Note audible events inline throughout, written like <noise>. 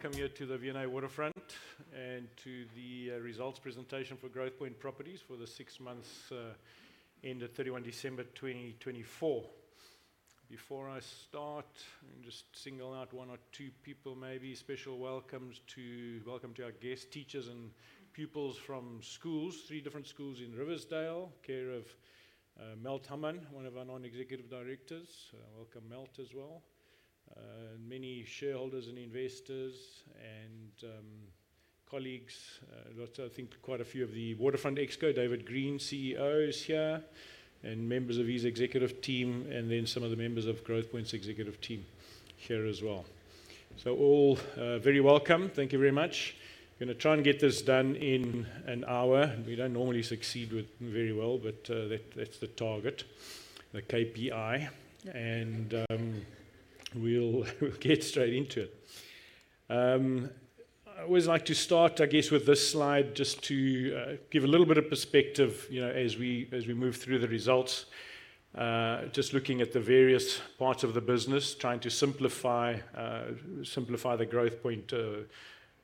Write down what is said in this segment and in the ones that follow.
Welcome you to the V&A Waterfront and to the results presentation for Growthpoint Properties for the six months end of 31 December 2024. Before I start, just to single out one or two people, maybe special welcomes to welcome to our guests, teachers, and pupils from schools, three different schools in Riversdale, care of Melt Haman, one of our non-executive directors. Welcome, Melt, as well. Many shareholders and investors and colleagues, I think quite a few of the Waterfront Exco, David Green, CEO is here, and members of his executive team, and then some of the members of Growthpoint's executive team here as well. All are very welcome. Thank you very much. We are going to try and get this done in an hour. We do not normally succeed within very well, but that is the target, the KPI, and we will get straight into it. I always like to start, I guess, with this slide just to give a little bit of perspective as we move through the results, just looking at the various parts of the business, trying to simplify the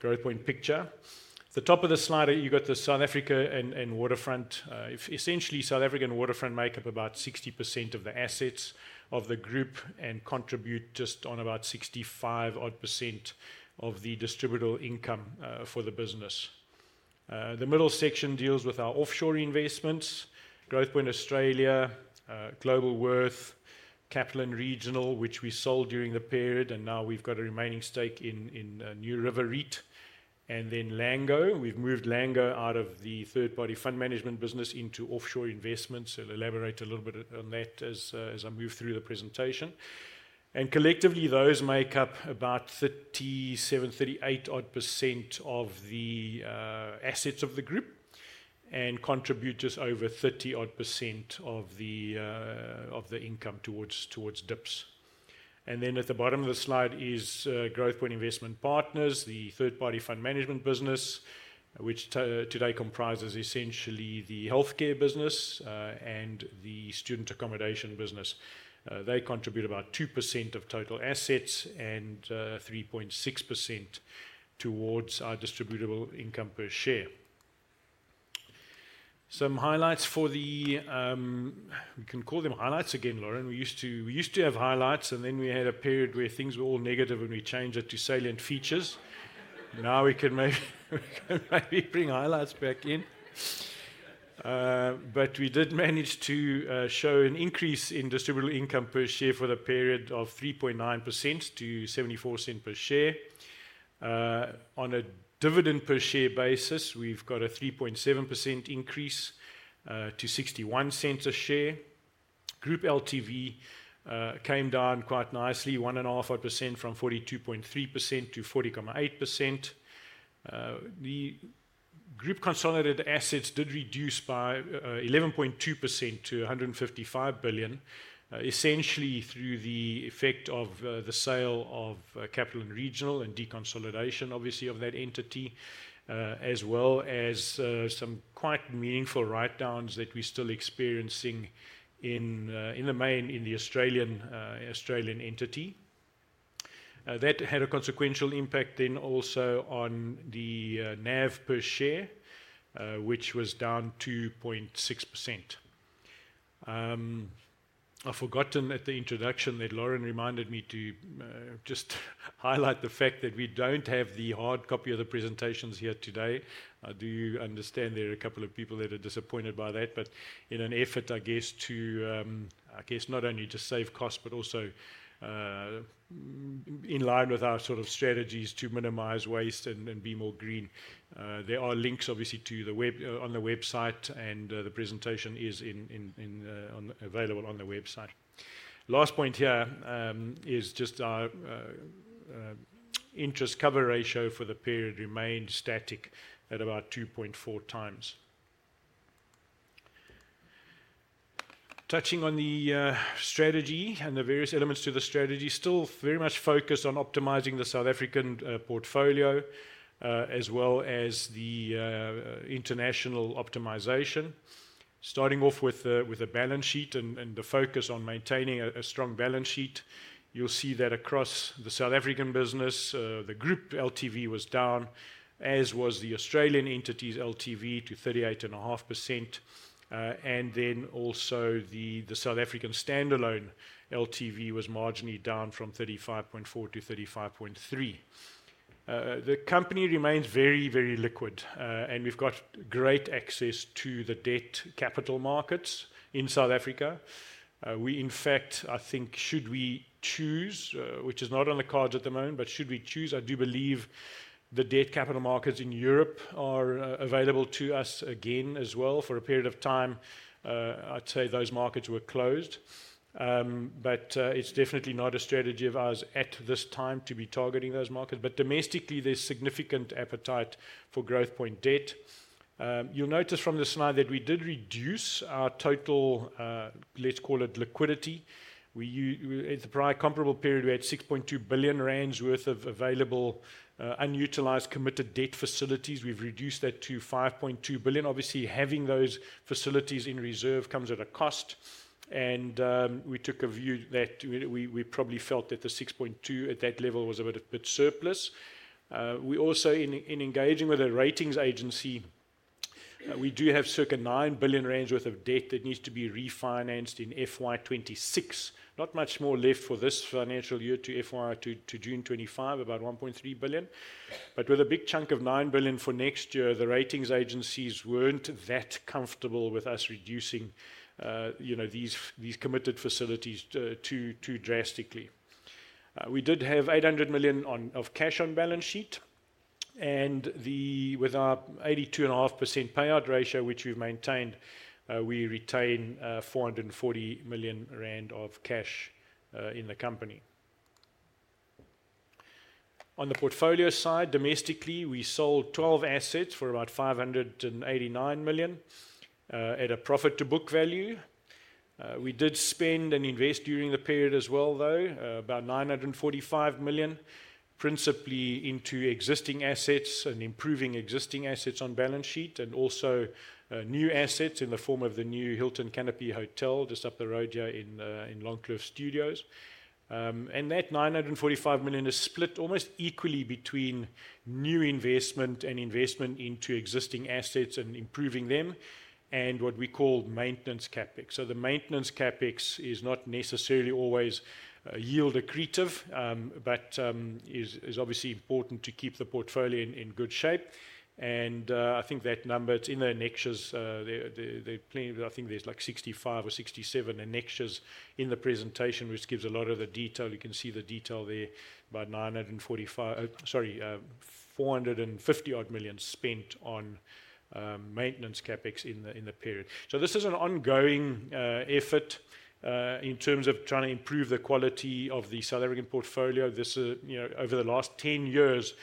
Growthpoint picture. At the top of the slide, you've got the South Africa and Waterfront. Essentially, South Africa and Waterfront make up about 60% of the assets of the group and contribute just on about 65-odd % of the distributable income for the business. The middle section deals with our offshore investments, Growthpoint Australia, Globalworth, Capital & Regional, which we sold during the period, and now we've got a remaining stake in NewRiver REIT and then Lango. We've moved Lango out of the third-party fund management business into offshore investments. I'll elaborate a little bit on that as I move through the presentation. Collectively, those make up about 37%-38% of the assets of the group and contribute just over 30% of the income towards DIPS. At the bottom of the slide is Growthpoint Investment Partners, the third-party fund management business, which today comprises essentially the healthcare business and the student accommodation business. They contribute about 2% of total assets and 3.6% towards our distributable income per share. Some highlights for the—we can call them highlights again. We used to have highlights, and then we had a period where things were all negative and we changed it to salient features. Now we can maybe bring highlights back in. We did manage to show an increase in distributable income per share for the period of 3.9% to $0.74 per share. On a dividend per share basis, we've got a 3.7% increase to $0.61 a share. Group LTV came down quite nicely, one and a half percent from 42.3% to 40.8%. The group consolidated assets did reduce by 11.2% to 155 billion, essentially through the effect of the sale of Capital & Regional and deconsolidation, obviously, of that entity, as well as some quite meaningful write-downs that we're still experiencing in the main Australian entity. That had a consequential impact then also on the NAV per share, which was down 2.6%. I forgot at the introduction that Lauren reminded me to just highlight the fact that we don't have the hard copy of the presentations here today. I do understand there are a couple of people that are disappointed by that, but in an effort, I guess, to not only just save costs, but also in line with our sort of strategies to minimize waste and be more green. There are links, obviously, on the website, and the presentation is available on the website. Last point here is just our interest cover ratio for the period remained static at about 2.4 times. Touching on the strategy and the various elements to the strategy, still very much focused on optimizing the South African portfolio as well as the international optimization. Starting off with a balance sheet and the focus on maintaining a strong balance sheet, you'll see that across the South African business, the group LTV was down, as was the Australian entity's LTV to 38.5%, and then also the South African standalone LTV was marginally down from 35.4 to 35.3. The company remains very, very liquid, and we've got great access to the debt capital markets in South Africa. We, in fact, I think, should we choose, which is not on the cards at the moment, but should we choose, I do believe the debt capital markets in Europe are available to us again as well for a period of time. I'd say those markets were closed, but it's definitely not a strategy of ours at this time to be targeting those markets. Domestically, there's significant appetite for Growthpoint debt. You'll notice from the slide that we did reduce our total, let's call it liquidity. In the prior comparable period, we had 6.2 billion rand worth of available unutilized committed debt facilities. We've reduced that to 5.2 billion. Obviously, having those facilities in reserve comes with a cost, and we took a view that we probably felt that the 6.2 billion at that level was a bit surplus. We also, in engaging with a ratings agency, we do have circa 9 billion rand worth of debt that needs to be refinanced in FY2026. Not much more left for this financial year to FY to June 2025, about 1.3 billion. With a big chunk of 9 billion for next year, the ratings agencies were not that comfortable with us reducing these committed facilities too drastically. We did have 800 million of cash on balance sheet, and with our 82.5% payout ratio, which we have maintained, we retain 440 million rand of cash in the company. On the portfolio side, domestically, we sold 12 assets for about 589 million at a profit to book value. We did spend and invest during the period as well, though, about 945 million, principally into existing assets and improving existing assets on balance sheet, and also new assets in the form of the new Hilton Canopy Hotel just up the road here in Long Street Studios. That 945 million is split almost equally between new investment and investment into existing assets and improving them, and what we call maintenance CapEx. The maintenance CapEx is not necessarily always yield accretive, but is obviously important to keep the portfolio in good shape. I think that number, it is in the annexures, I think there are like 65 or 67 annexures in the presentation, which gives a lot of the detail. You can see the detail there, about 945 million, sorry, 450-odd million spent on maintenance CapEx in the period. This is an ongoing effort in terms of trying to improve the quality of the South African portfolio. Over the last 10 years,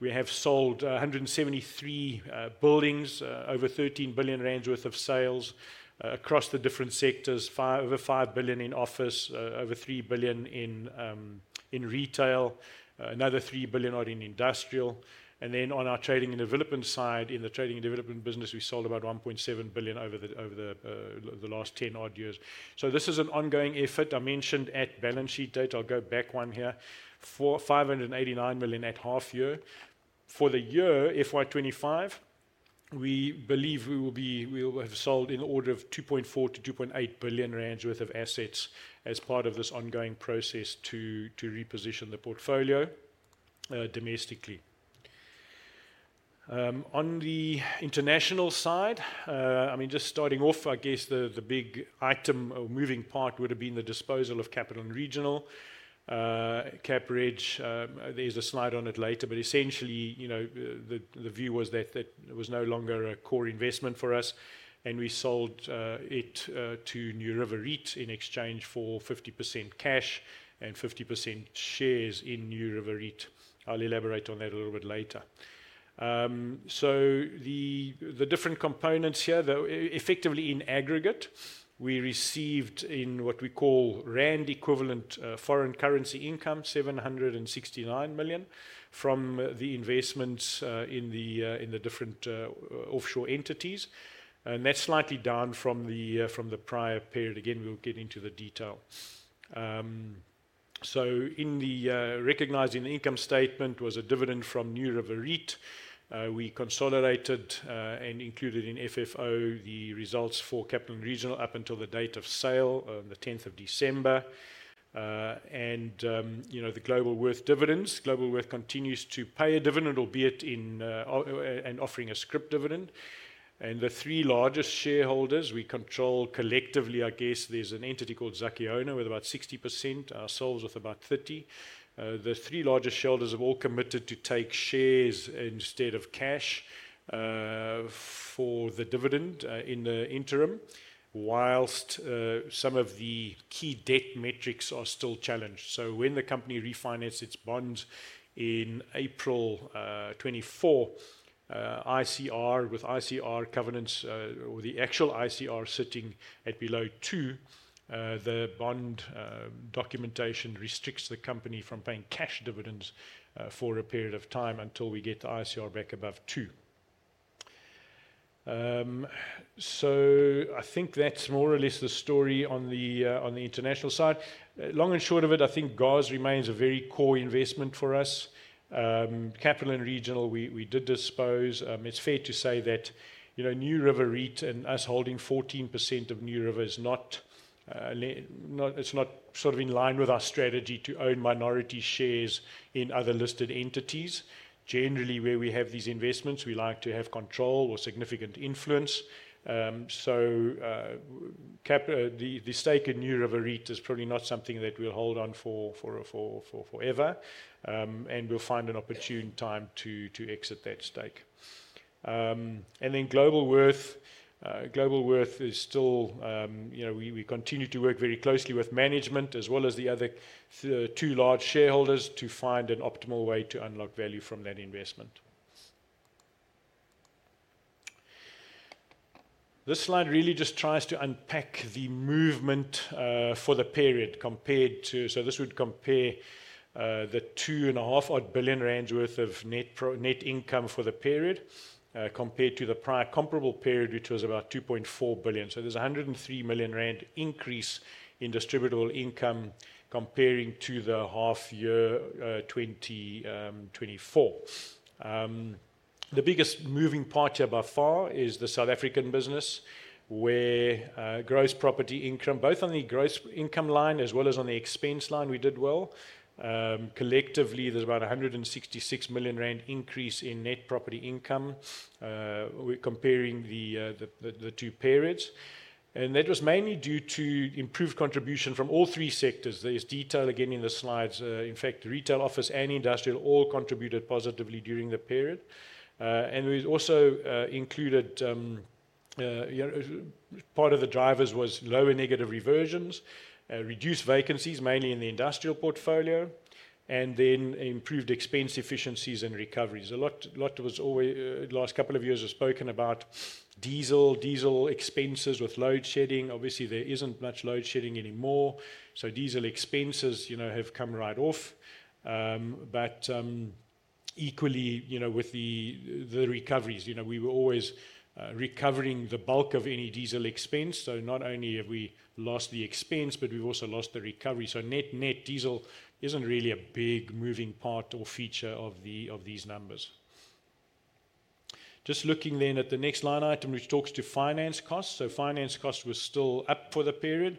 we have sold 173 buildings, over 13 billion rand worth of sales across the different sectors, over 5 billion in office, over 3 billion in retail, another 3 billion odd in industrial. On our trading and development side, in the trading and development business, we sold about 1.7 billion over the last 10-odd years. This is an ongoing effort. I mentioned at balance sheet date, I'll go back one here, 589 million at half year. For the year FY2025, we believe we will have sold in the order of 2.4 billion-2.8 billion rand worth of assets as part of this ongoing process to reposition the portfolio domestically. On the international side, I mean, just starting off, I guess the big item or moving part would have been the disposal of Capital & Regional. Capital & Regional, there's a slide on it later, but essentially, the view was that it was no longer a core investment for us, and we sold it to NewRiver REIT in exchange for 50% cash and 50% shares in NewRiver REIT. I'll elaborate on that a little bit later. The different components here, effectively in aggregate, we received in what we call rand equivalent foreign currency income, 769 million from the investments in the different offshore entities. That's slightly down from the prior period. Again, we'll get into the detail. In the recognizing the income statement was a dividend from NewRiver REIT. We consolidated and included in FFO the results for Capital & Regional up until the date of sale, the 10th of December. The Globalworth dividends, Globalworth continues to pay a dividend, albeit in and offering a scrip dividend. The three largest shareholders we control collectively, I guess there is an entity called Zakiona with about 60%, ourselves with about 30. The three largest shareholders have all committed to take shares instead of cash for the dividend in the interim, whilst some of the key debt metrics are still challenged. When the company refinanced its bonds in April 2024, ICR with ICR covenants or the actual ICR sitting at below two, the bond documentation restricts the company from paying cash dividends for a period of time until we get the ICR back above two. I think that is more or less the story on the international side. Long and short of it, I think GOS remains a very core investment for us. Capital & Regional, we did dispose. It's fair to say that NewRiver REIT and us holding 14% of NewRiver is not sort of in line with our strategy to own minority shares in other listed entities. Generally, where we have these investments, we like to have control or significant influence. The stake in NewRiver REIT is probably not something that we'll hold on forever. We'll find an opportune time to exit that stake. Globalworth, Globalworth is still we continue to work very closely with management as well as the other two large shareholders to find an optimal way to unlock value from that investment. This slide really just tries to unpack the movement for the period compared to, so this would compare the 2.5 billion-odd rands worth of net income for the period compared to the prior comparable period, which was about 2.4 billion. There is a 103 million rand increase in distributable income comparing to the half year 2024. The biggest moving part here by far is the South African business where gross property income, both on the gross income line as well as on the expense line, we did well. Collectively, there is about a 166 million rand increase in net property income comparing the two periods. That was mainly due to improved contribution from all three sectors. There is detail again in the slides. In fact, retail, office, and industrial all contributed positively during the period. We also included part of the drivers was lower negative reversions, reduced vacancies mainly in the industrial portfolio, and then improved expense efficiencies and recoveries. A lot was always the last couple of years have spoken about diesel, diesel expenses with load shedding. Obviously, there isn't much load shedding anymore. Diesel expenses have come right off, but equally with the recoveries. We were always recovering the bulk of any diesel expense. Not only have we lost the expense, but we've also lost the recovery. Net diesel isn't really a big moving part or feature of these numbers. Just looking then at the next line item, which talks to finance costs. Finance costs were still up for the period,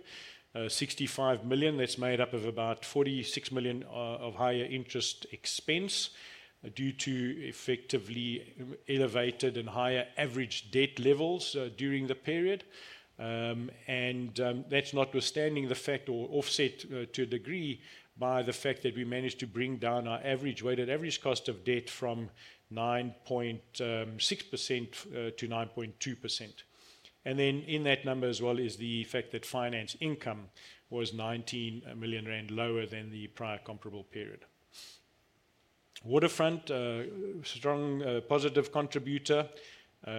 65 million. That's made up of about 46 million of higher interest expense due to effectively elevated and higher average debt levels during the period. That is notwithstanding the fact or offset to a degree by the fact that we managed to bring down our average weighted average cost of debt from 9.6% to 9.2%. In that number as well is the fact that finance income was 19 million rand lower than the prior comparable period. Waterfront, strong positive contributor,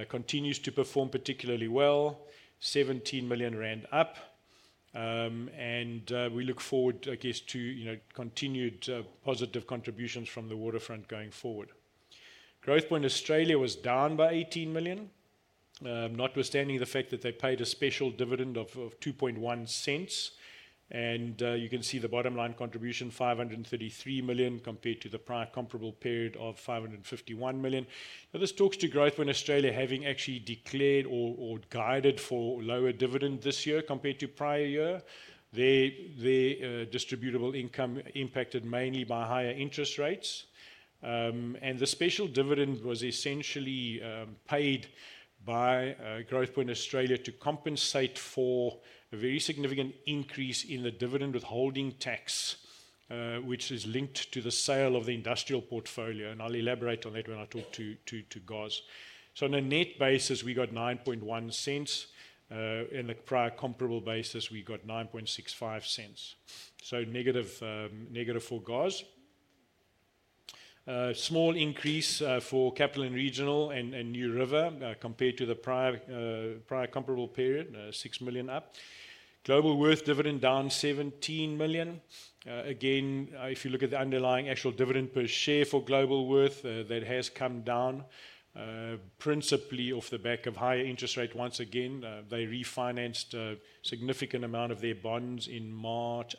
continues to perform particularly well, 17 million rand up. We look forward, I guess, to continued positive contributions from the Waterfront going forward. Growthpoint Australia was down by 18 million, notwithstanding the fact that they paid a special dividend of 0.021. You can see the bottom line contribution, 533 million compared to the prior comparable period of 551 million. This talks to Growthpoint Australia having actually declared or guided for lower dividend this year compared to prior year. Their distributable income impacted mainly by higher interest rates. The special dividend was essentially paid by Growthpoint Australia to compensate for a very significant increase in the dividend withholding tax, which is linked to the sale of the industrial portfolio. I will elaborate on that when I talk to GOS. On a net basis, we got 0.091. In the prior comparable basis, we got 0.0965. Negative for GOS. Small increase for Capital & Regional and NewRiver compared to the prior comparable period, 6 million up. Globalworth dividend down 17 million. Again, if you look at the underlying actual dividend per share for Globalworth, that has come down principally off the back of higher interest rates. Once again, they refinanced a significant amount of their bonds in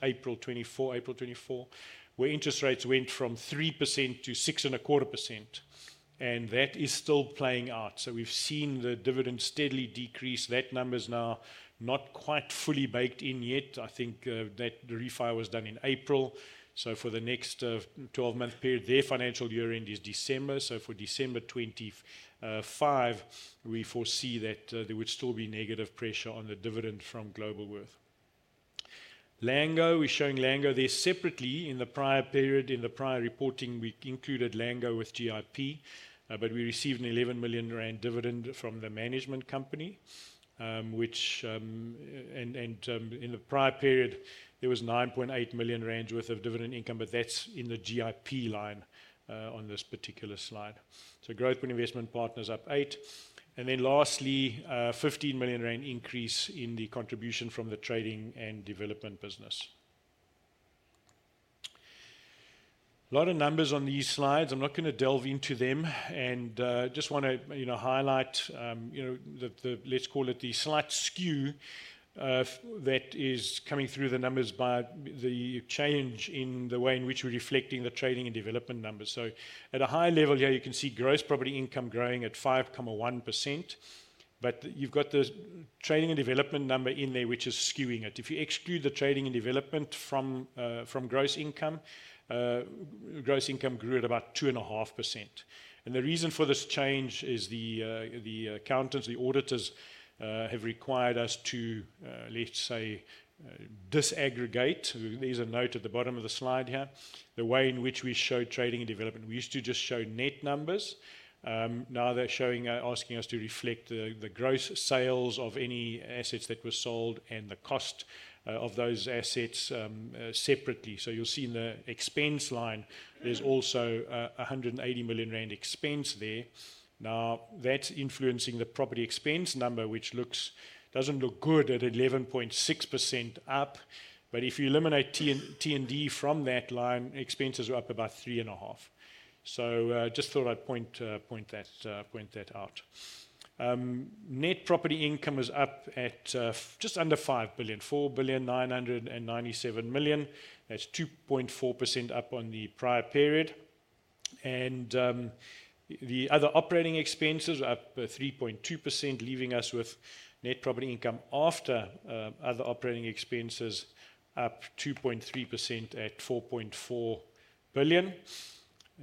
April 2024, where interest rates went from 3% to 6.25%. That is still playing out. We have seen the dividend steadily decrease. That number's now not quite fully baked in yet. I think that the refi was done in April. For the next 12-month period, their financial year end is December. For December 2025, we foresee that there would still be negative pressure on the dividend from Globalworth. Lango, we're showing Lango there separately in the prior period. In the prior reporting, we included Lango with GIP, but we received a 11 million rand dividend from the management company. In the prior period, there was 9.8 million rand worth of dividend income, but that's in the GIP line on this particular slide. Growthpoint Investment Partners up 8 and lastly, 15 million rand increase in the contribution from the trading and development business. A lot of numbers on these slides. I'm not going to delve into them. I just want to highlight that the, let's call it the slight skew that is coming through the numbers by the change in the way in which we're reflecting the trading and development numbers. At a high level here, you can see gross property income growing at 5.1%. You have the trading and development number in there, which is skewing it. If you exclude the trading and development from gross income, gross income grew at about 2.5%. The reason for this change is the accountants, the auditors have required us to, let's say, disaggregate. There is a note at the bottom of the slide here, the way in which we show trading and development. We used to just show net numbers. Now they're asking us to reflect the gross sales of any assets that were sold and the cost of those assets separately. You'll see in the expense line, there's also 180 million rand expense there. That's influencing the property expense number, which doesn't look good at 11.6% up. If you eliminate T&D from that line, expenses are up about 3.5%. I just thought I'd point that out. Net property income is up at just under 5 billion, 4 billion, 997 million. That's 2.4% up on the prior period. The other operating expenses are up 3.2%, leaving us with net property income after other operating expenses up 2.3% at 4.4 billion.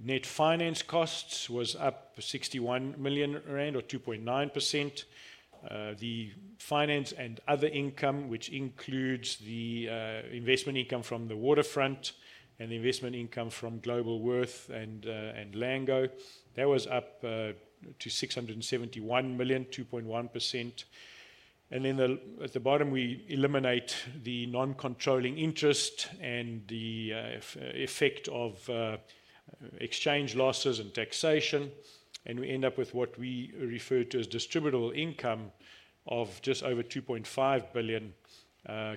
Net finance costs was up 61 million rand or 2.9%. The finance and other income, which includes the investment income from the Waterfront and the investment income from Globalworth and Lango, was up to 671 million, 2.1%. At the bottom, we eliminate the non-controlling interest and the effect of exchange losses and taxation. We end up with what we refer to as distributable income of just over 2.5 billion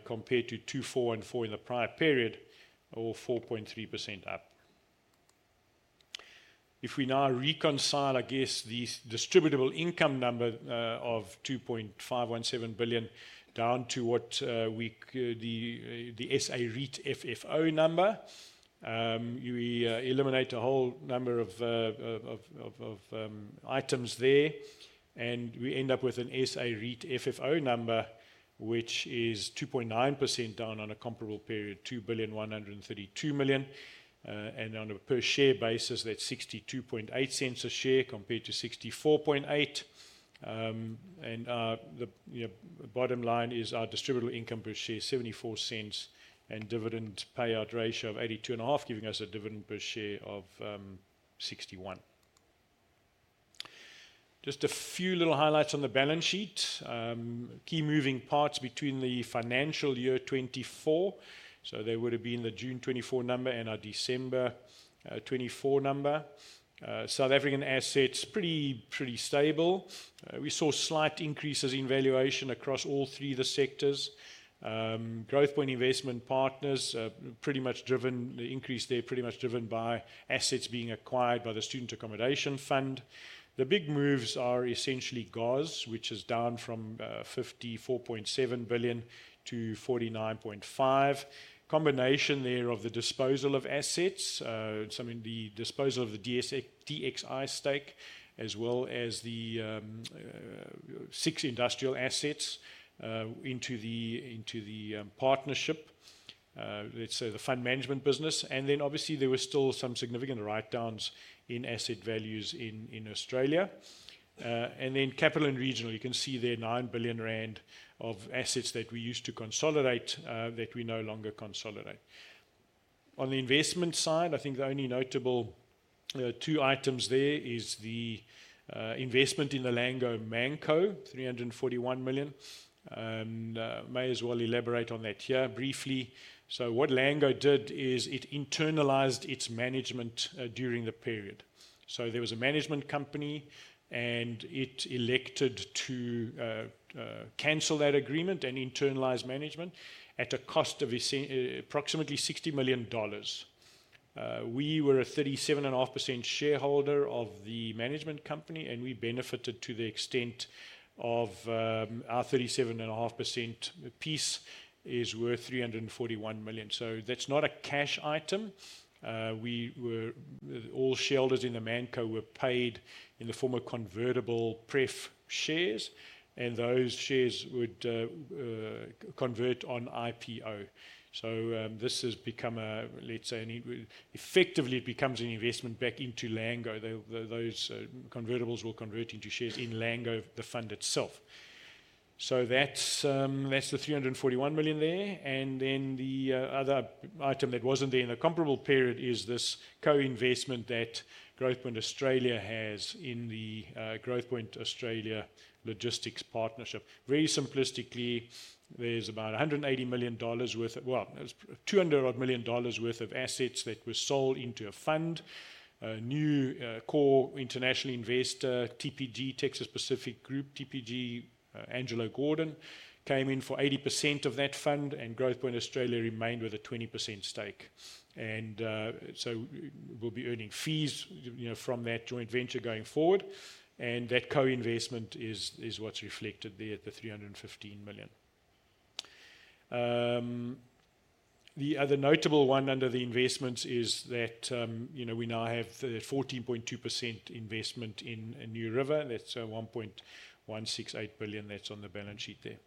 compared to 2.4 billion in the prior period, or 4.3% up. If we now reconcile, I guess, this distributable income number of 2.517 billion down to the SA REIT FFO number, we eliminate a whole number of items there. We end up with an SA REIT FFO number, which is 2.9% down on a comparable period, 2 billion, 132 million. On a per share basis, that is 62.8 cents a share compared to 64.8 cents. The bottom line is our distributable income per share, 74 cents, and dividend payout ratio of 82.5%, giving us a dividend per share of 61 cents. Just a few little highlights on the balance sheet. Key moving parts between the financial year 2024. There would have been the June 2024 number and our December 2024 number. South African assets, pretty stable. We saw slight increases in valuation across all three of the sectors. Growthpoint Investment Partners, pretty much driven the increase there, pretty much driven by assets being acquired by the Student Accommodation Fund. The big moves are essentially GOS, which is down from 54.7 billion to 49.5 billion. Combination there of the disposal of assets, some in the disposal of the DXI stake, as well as the six industrial assets into the partnership, let's say the fund management business. There were still some significant write-downs in asset values in Australia. Capital & Regional, you can see there 9 billion rand of assets that we used to consolidate that we no longer consolidate. On the investment side, I think the only notable two items there is the investment in the Lango Manco, 341 million. May as well elaborate on that here briefly. What Lango did is it internalised its management during the period. There was a management company, and it elected to cancel that agreement and internalise management at a cost of approximately $60 million. We were a 37.5% shareholder of the management company, and we benefited to the extent of our 37.5% piece is worth $341 million. That is not a cash item, where all shareholders in the Manco were paid in the form of convertible pref shares, and those shares would convert on IPO. This has become, let's say, effectively it becomes an investment back into Lango. Those convertibles will convert into shares in Lango, the fund itself. That is the $341 million there. The other item that was not there in the comparable period is this co-investment that Growthpoint Australia has in the Growthpoint Australia Logistics Partnership. Very simplistically, there's about $180 million worth of, well, $200 million worth of assets that were sold into a fund. New core international investor, TPG, Texas Pacific Group, TPG, Angelo Gordon came in for 80% of that fund, and Growthpoint Australia remained with a 20% stake. We'll be earning fees from that joint venture going forward. That co-investment is what's reflected there at the $315 million. The other notable one under the investments is that we now have the 14.2% investment in NewRiver. That's $1.168 billion that's on the balance sheet there.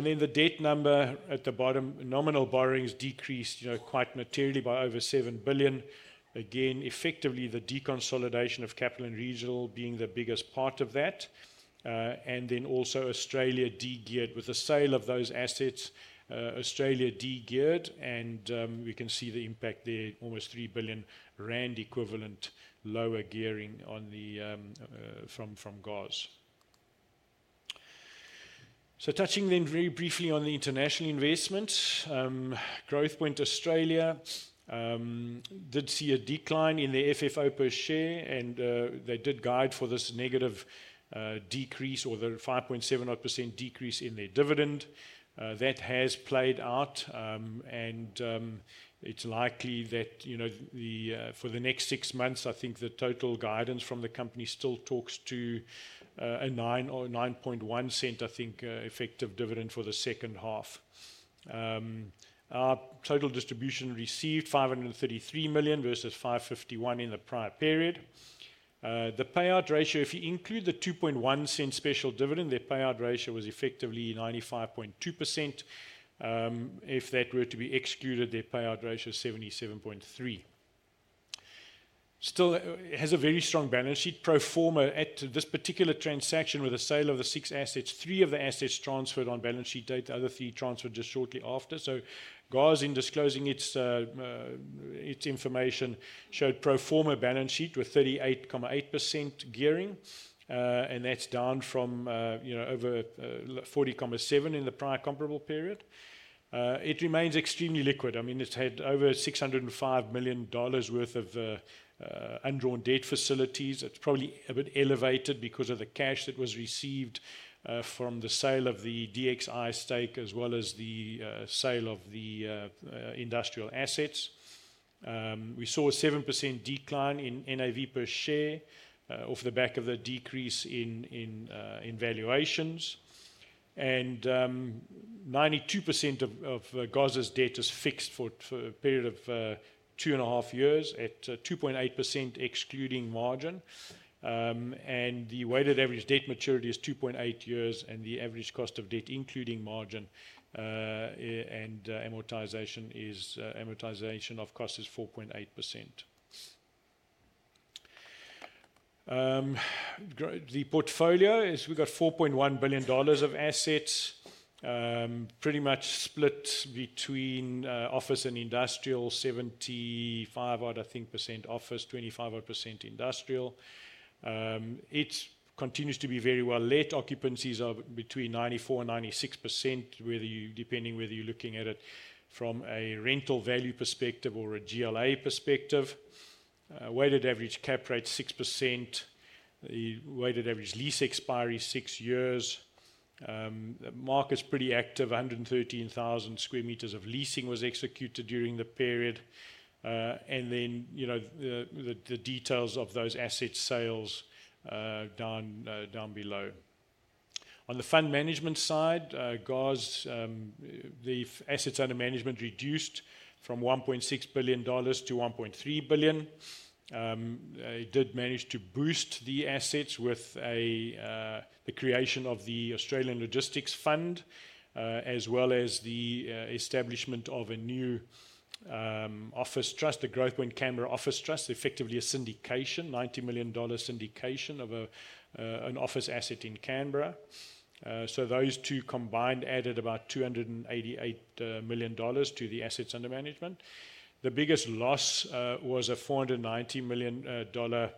The debt number at the bottom, nominal borrowings decreased quite materially by over $7 billion. Again, effectively the deconsolidation of Capital & Regional being the biggest part of that. Australia degeared with the sale of those assets, Australia degeared, and we can see the impact there, almost 3 billion rand equivalent lower gearing from GOS. Touching then very briefly on the international investments, Growthpoint Australia did see a decline in the FFO per share, and they did guide for this negative decrease or the 5.7% decrease in their dividend. That has played out, and it's likely that for the next six months, I think the total guidance from the company still talks to a 0.091, I think, effective dividend for the second half. Our total distribution received 533 million versus 551 million in the prior period. The payout ratio, if you include the 0.021 special dividend, their payout ratio was effectively 95.2%. If that were to be excluded, their payout ratio is 77.3%. Still has a very strong balance sheet. Pro forma at this particular transaction with the sale of the six assets, three of the assets transferred on balance sheet date. The other three transferred just shortly after. So GOS, in disclosing its information, showed pro forma balance sheet with 38.8% gearing, and that's down from over 40.7% in the prior comparable period. It remains extremely liquid. I mean, it's had over $605 million worth of undrawn debt facilities. It's probably a bit elevated because of the cash that was received from the sale of the DXI stake as well as the sale of the industrial assets. We saw a 7% decline in NAV per share off the back of the decrease in valuations. And 92% of GOS's debt is fixed for a period of two and a half years at 2.8% excluding margin. The weighted average debt maturity is 2.8 years, and the average cost of debt, including margin and amortization, of course, is 4.8%. The portfolio is we've got $4.1 billion of assets, pretty much split between office and industrial, 75-odd, I think, percent office, 25-odd percent industrial. It continues to be very well. Late cccupancies are between 94%-96%, depending whether you're looking at it from a rental value perspective or a GLA perspective. Weighted average cap rate 6%. The weighted average lease expiry six years. The market's pretty active. 113,000 sq m of leasing was executed during the period. The details of those asset sales are down below. On the fund management side, GOS, the assets under management reduced from $1.6 billion to $1.3 billion. It did manage to boost the assets with the creation of the Australian Logistics Fund, as well as the establishment of a new office trust, the Growthpoint Canberra Office Trust, effectively a syndication, 90 million dollar syndication of an office asset in Canberra. Those two combined added about 288 million dollars to the assets under management. The biggest loss was an 490 million dollar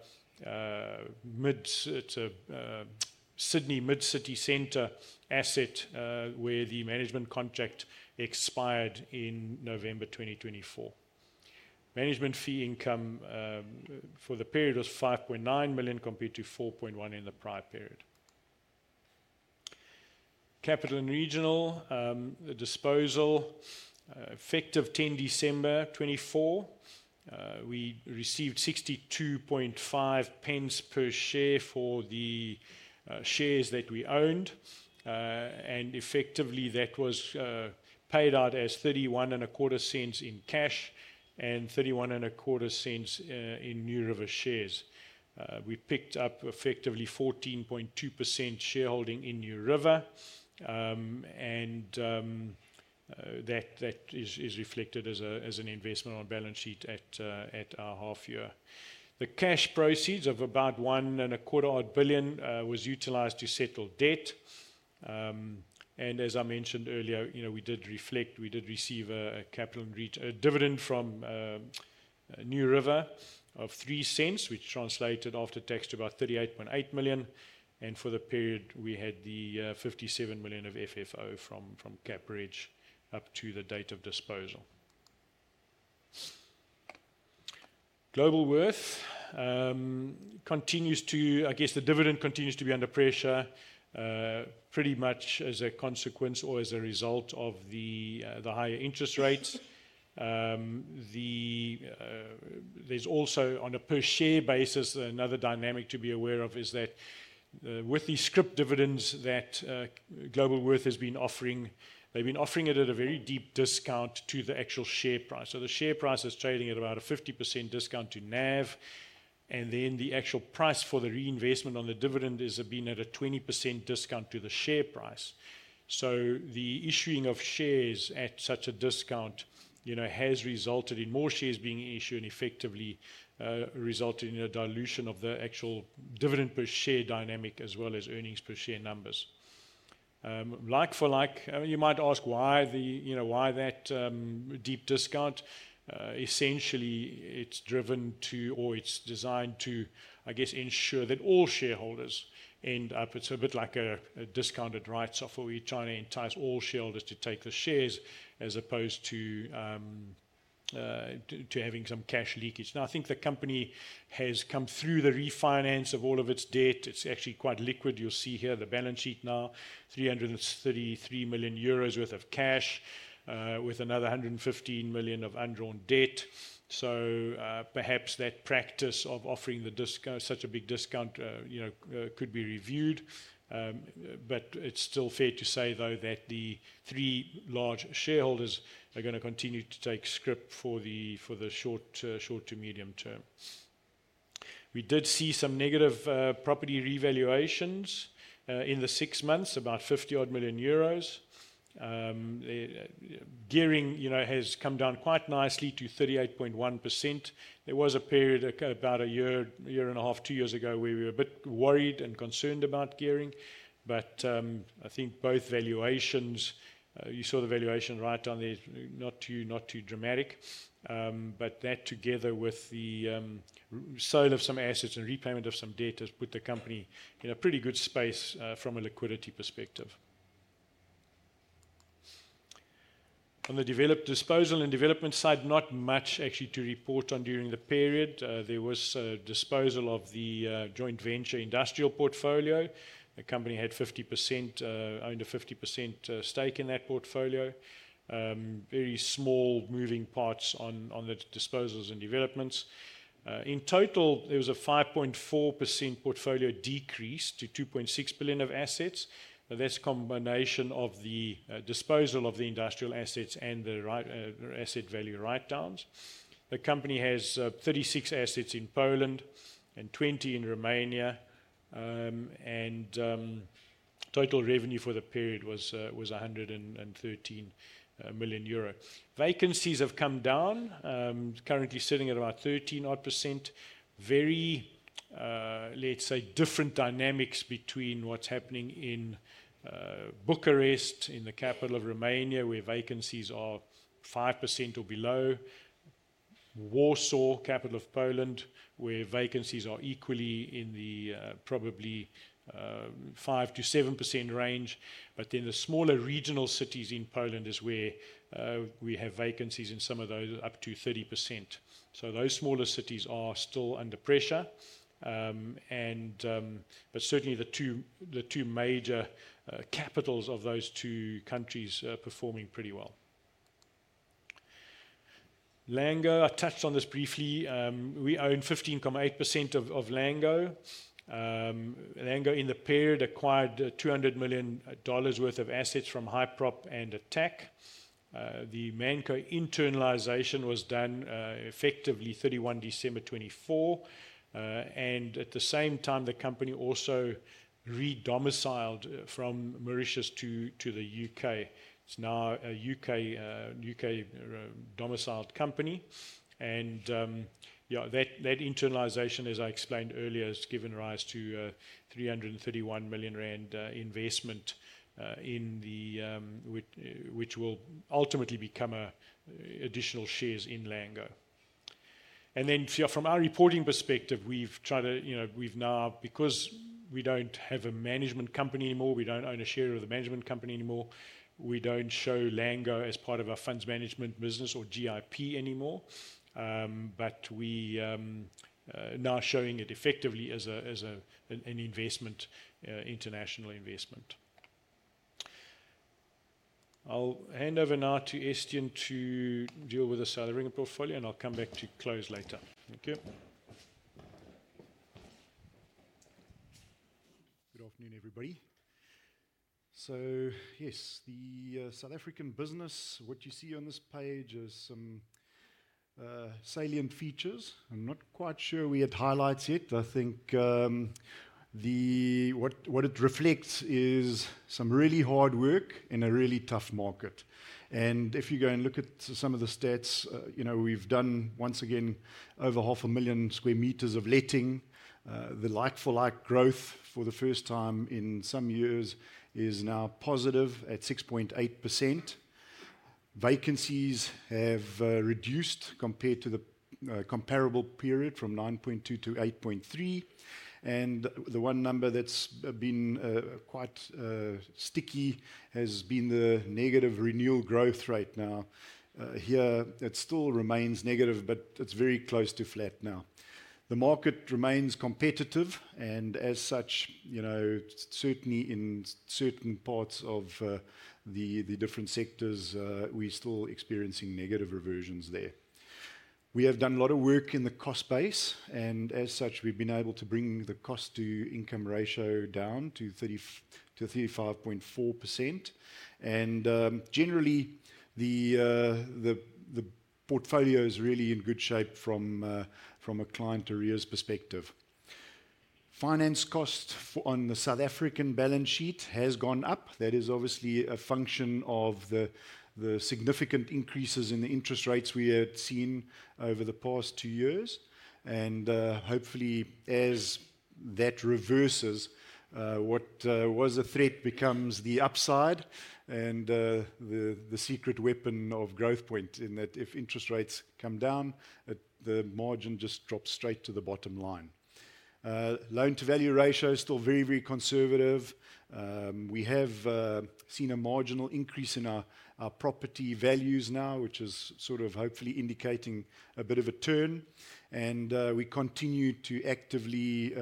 Sydney mid-city centre asset where the management contract expired in November 2024. Management fee income for the period was 5.9 million compared to 4.1 million in the prior period. Capital & Regional disposal, effective 10 December 2024, we received 62.5 per share for the shares that we owned. That was paid out as 0.3125 in cash and 0.3125 in NewRiver shares. We picked up effectively 14.2% shareholding in NewRiver, and that is reflected as an investment on balance sheet at our half year. The cash proceeds of about 1.25 billion was utilised to settle debt. As I mentioned earlier, we did reflect, we did receive a dividend from NewRiver of $0.03, which translated after tax to about 38.8 million. For the period, we had the 57 million of FFO from Capital & Regional up to the date of disposal. Globalworth continues to, I guess the dividend continues to be under pressure, pretty much as a consequence or as a result of the higher interest rates. There is also, on a per share basis, another dynamic to be aware of is that with the script dividends that Globalworth has been offering, they have been offering it at a very deep discount to the actual share price. The share price is trading at about a 50% discount to NAV. The actual price for the reinvestment on the dividend has been at a 20% discount to the share price. The issuing of shares at such a discount has resulted in more shares being issued and effectively resulted in a dilution of the actual dividend per share dynamic as well as earnings per share in numbers. Like for like, you might ask why that deep discount. Essentially, it is driven to, or it is designed to, I guess, ensure that all shareholders end up. It is a bit like a discounted rights offer where you are trying to entice all shareholders to take the shares as opposed to having some cash leakage. I think the company has come through the refinance of all of its debt. It is actually quite liquid. You'll see here the balance sheet now, 333 million euros worth of cash with another 115 million of undrawn debt. Perhaps that practice of offering such a big discount could be reviewed. It's still fair to say, though, that the three large shareholders are going to continue to take script for the short to medium term. We did see some negative property revaluations in the six months, about 51 million euros. Gearing has come down quite nicely to 38.1%. There was a period about a year and a half, two years ago where we were a bit worried and concerned about gearing. I think both valuations, you saw the valuation right on there, not too dramatic. That together with the sale of some assets and repayment of some debt has put the company in a pretty good space from a liquidity perspective. On the developed disposal and development side, not much actually to report on during the period. There was disposal of the joint venture industrial portfolio. The company had 50%, owned a 50% stake in that portfolio. Very small moving parts on the disposals and developments. In total, there was a 5.4% portfolio decrease to 2.6 billion of assets. That is a combination of the disposal of the industrial assets and the asset value write-downs. The company has 36 assets in Poland and 20 in Romania. Total revenue for the period was 113 million euro. Vacancies have come down, currently sitting at about 13% odd. Very, let's say, different dynamics between what's happening in Bucharest, in the capital of Romania, where vacancies are 5% or below. Warsaw, capital of Poland, where vacancies are equally in the probably 5%-7% range. The smaller regional cities in Poland is where we have vacancies in some of those up to 30%. Those smaller cities are still under pressure. Certainly the two major capitals of those two countries are performing pretty well. Lango, I touched on this briefly. We own 15.8% of Lango. Lango, in the period, acquired $200 million worth of assets from HighProp and Attacq. The Manco internalization was done effectively 31 December 2024. At the same time, the company also redomiciled from Mauritius to the U.K. It is now a U.K. domiciled company. That internalization, as I explained earlier, has given rise to a GBP 331 million investment, which will ultimately become additional shares in Lango. Then from our reporting perspective, we've tried to, because we don't have a management company anymore, we don't own a share of the management company anymore, we don't show Lango as part of our funds management business or GIP anymore. We are now showing it effectively as an investment, international investment. I'll hand over now to Estienne to deal with the South African portfolio, and I'll come back to close later. Thank you. Good afternoon, everybody. Yes, the South African business, what you see on this page is some salient features. I'm not quite sure we had highlights yet. I think what it reflects is some really hard work in a really tough market. If you go and look at some of the stats, we've done once again over 500,000 sq m of letting. The like for like growth for the first time in some years is now positive at 6.8%. Vacancies have reduced compared to the comparable period from 9.2% to 8.3%. The one number that's been quite sticky has been the negative renewal growth rate now. Here, it still remains negative, but it's very close to flat now. The market remains competitive, and as such, certainly in certain parts of the different sectors, we're still experiencing negative reversions there. We have done a lot of work in the cost base, and as such, we've been able to bring the cost to income ratio down to 35.4%. Generally, the portfolio is really in good shape from a client arrears perspective. Finance cost on the South African balance sheet has gone up. That is obviously a function of the significant increases in the interest rates we had seen over the past two years. Hopefully, as that reverses, what was a threat becomes the upside and the secret weapon of Growthpoint in that if interest rates come down, the margin just drops straight to the bottom line. Loan to value ratio is still very, very conservative. We have seen a marginal increase in our property values now, which is sort of hopefully indicating a bit of a turn. We continue to actively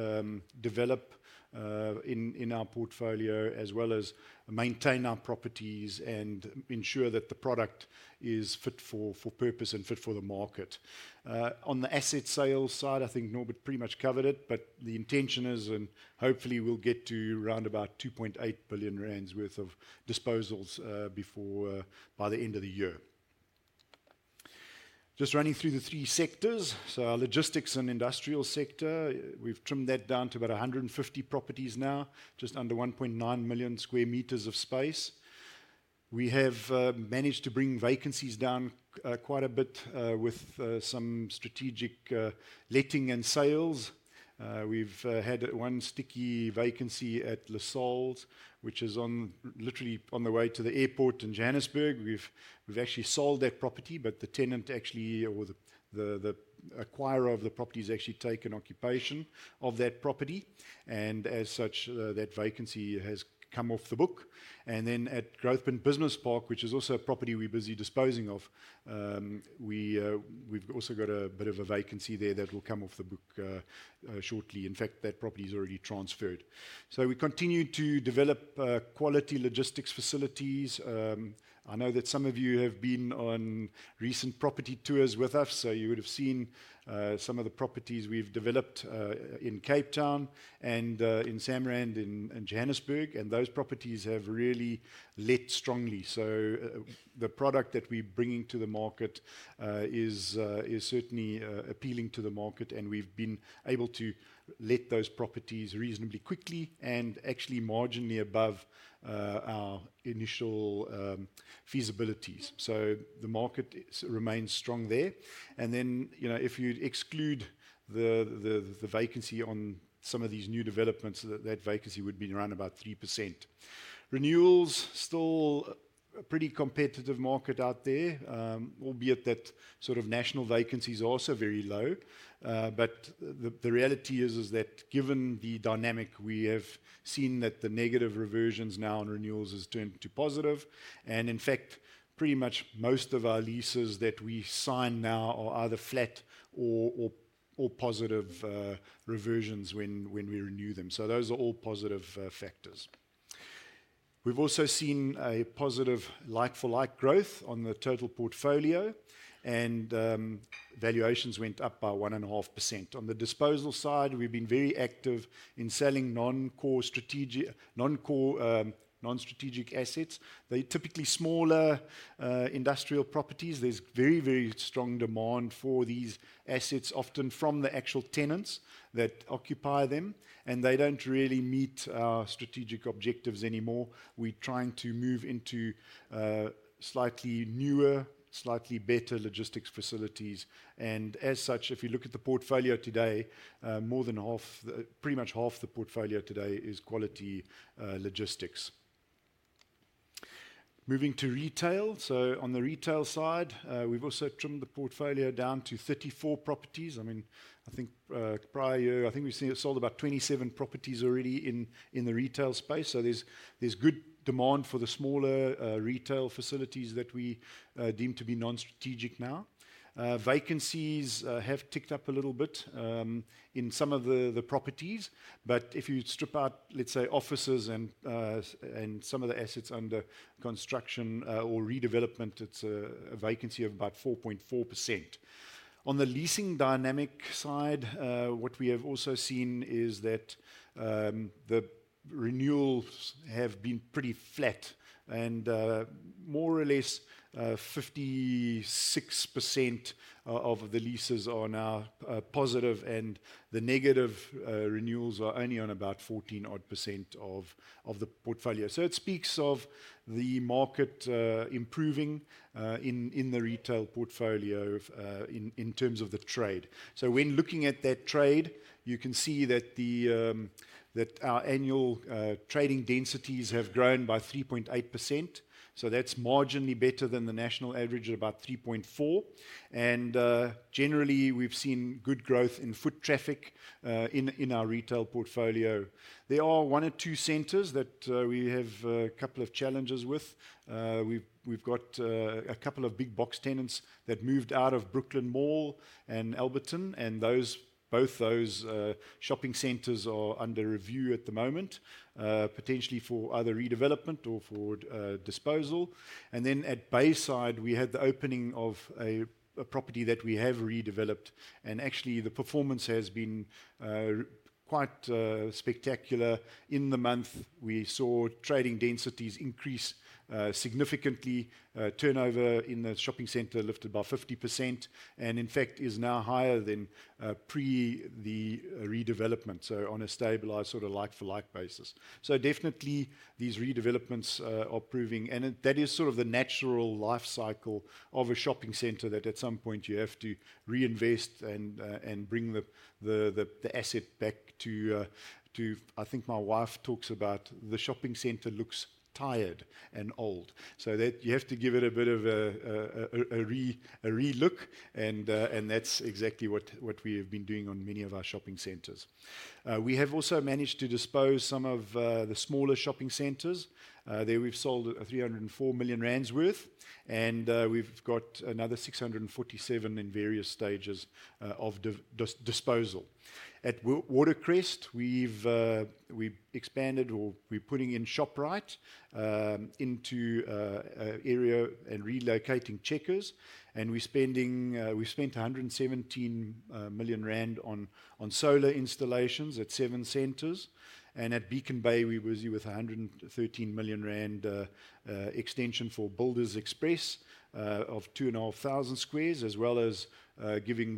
develop in our portfolio as well as maintain our properties and ensure that the product is fit for purpose and fit for the market. On the asset sales side, I think Norbert pretty much covered it, but the intention is, and hopefully we'll get to around about GBP 2.8 billion worth of disposals by the end of the year. Just running through the three sectors, our logistics and industrial sector, we've trimmed that down to about 150 properties now, just under 1.9 million sq m of space. We have managed to bring vacancies down quite a bit with some strategic letting and sales. We've had one sticky vacancy at La Salle, which is literally on the way to the airport in Johannesburg. We've actually sold that property, but the tenant, or the acquirer of the property, has actually taken occupation of that property. As such, that vacancy has come off the book. At Growthpoint Business Park, which is also a property we're busy disposing of, we've also got a bit of a vacancy there that will come off the book shortly. In fact, that property is already transferred. We continue to develop quality logistics facilities. I know that some of you have been on recent property tours with us, so you would have seen some of the properties we've developed in Cape Town and in Samrand and Johannesburg. Those properties have really let strongly. The product that we're bringing to the market is certainly appealing to the market, and we've been able to let those properties reasonably quickly and actually marginally above our initial feasibilities. The market remains strong there. If you exclude the vacancy on some of these new developments, that vacancy would be around about 3%. Renewals, still a pretty competitive market out there, albeit that sort of national vacancies are also very low. The reality is that given the dynamic we have seen that the negative reversions now on renewals has turned to positive. In fact, pretty much most of our leases that we sign now are either flat or positive reversions when we renew them. Those are all positive factors. We've also seen a positive like-for-like growth on the total portfolio, and valuations went up by 1.5%. On the disposal side, we've been very active in selling non-core strategic assets. They're typically smaller industrial properties. There's very, very strong demand for these assets, often from the actual tenants that occupy them, and they don't really meet our strategic objectives anymore. We're trying to move into slightly newer, slightly better logistics facilities. As such, if you look at the portfolio today, more than half, pretty much half the portfolio today is quality logistics. Moving to retail. On the retail side, we've also trimmed the portfolio down to 34 properties. I mean, I think prior year, I think we sold about 27 properties already in the retail space. So there's good demand for the smaller retail facilities that we deem to be non-strategic now. Vacancies have ticked up a little bit in some of the properties. If you strip out, let's say, offices and some of the assets under construction or redevelopment, it's a vacancy of about 4.4%. On the leasing dynamic side, what we have also seen is that the renewals have been pretty flat. More or less 56% of the leases are now positive, and the negative renewals are only on about 14% of the portfolio. It speaks of the market improving in the retail portfolio in terms of the trade. When looking at that trade, you can see that our annual trading densities have grown by 3.8%. That's marginally better than the national average of about 3.4%. Generally, we've seen good growth in foot traffic in our retail portfolio. There are one or two centres that we have a couple of challenges with. We've got a couple of big box tenants that moved out of Brooklyn Mall and Alberton, and both those shopping centres are under review at the moment, potentially for either redevelopment or for disposal. At Bayside, we had the opening of a property that we have redeveloped. Actually, the performance has been quite spectacular. In the month, we saw trading densities increase significantly. Turnover in the shopping centre lifted by 50% and in fact is now higher than pre the redevelopment, so on a stabilised sort of like for like basis. Definitely, these redevelopments are proving, and that is sort of the natural life cycle of a shopping centre that at some point you have to reinvest and bring the asset back to, I think my wife talks about, the shopping centre looks tired and old. You have to give it a bit of a re-look, and that's exactly what we have been doing on many of our shopping centres. We have also managed to dispose some of the smaller shopping centres. There we've sold GBP 304 million worth, and we've got another 647 million in various stages of disposal. At Watercrest, we've expanded or we're putting in ShopRite into area and relocating Checkers. We spent GBP 117 million on solar installations at seven centres. At Beacon Bay, we're busy with GBP 113 million extension for Builders Express of 2,500 sq m, as well as giving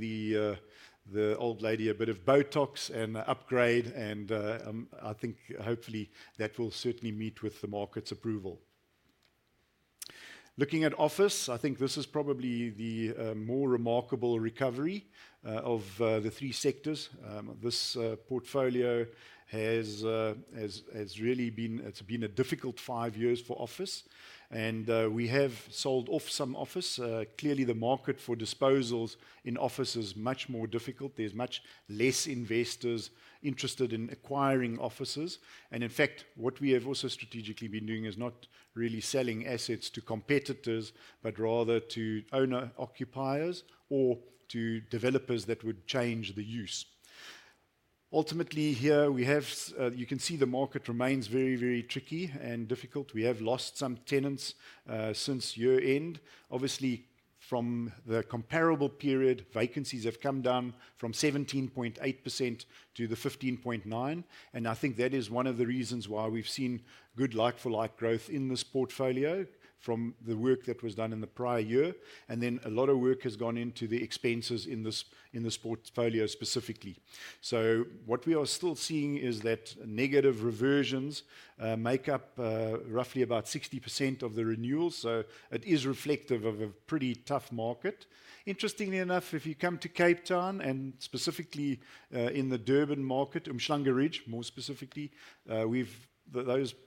the old lady a bit of Botox and upgrade. I think hopefully that will certainly meet with the market's approval. Looking at office, I think this is probably the more remarkable recovery of the three sectors. This portfolio has really been, it's been a difficult five years for office. We have sold off some office. Clearly, the market for disposals in office is much more difficult. There is much less investors interested in acquiring offices. In fact, what we have also strategically been doing is not really selling assets to competitors, but rather to owner occupiers or to developers that would change the use. Ultimately here, you can see the market remains very, very tricky and difficult. We have lost some tenants since year-end. Obviously, from the comparable period, vacancies have come down from 17.8% to 15.9%. I think that is one of the reasons why we've seen good like-for-like growth in this portfolio from the work that was done in the prior year. A lot of work has gone into the expenses in this portfolio specifically. What we are still seeing is that negative reversions make up roughly about 60% of the renewals. It is reflective of a pretty tough market. Interestingly enough, if you come to Cape Town and specifically in the Durban market, Umhlanga Ridge more specifically,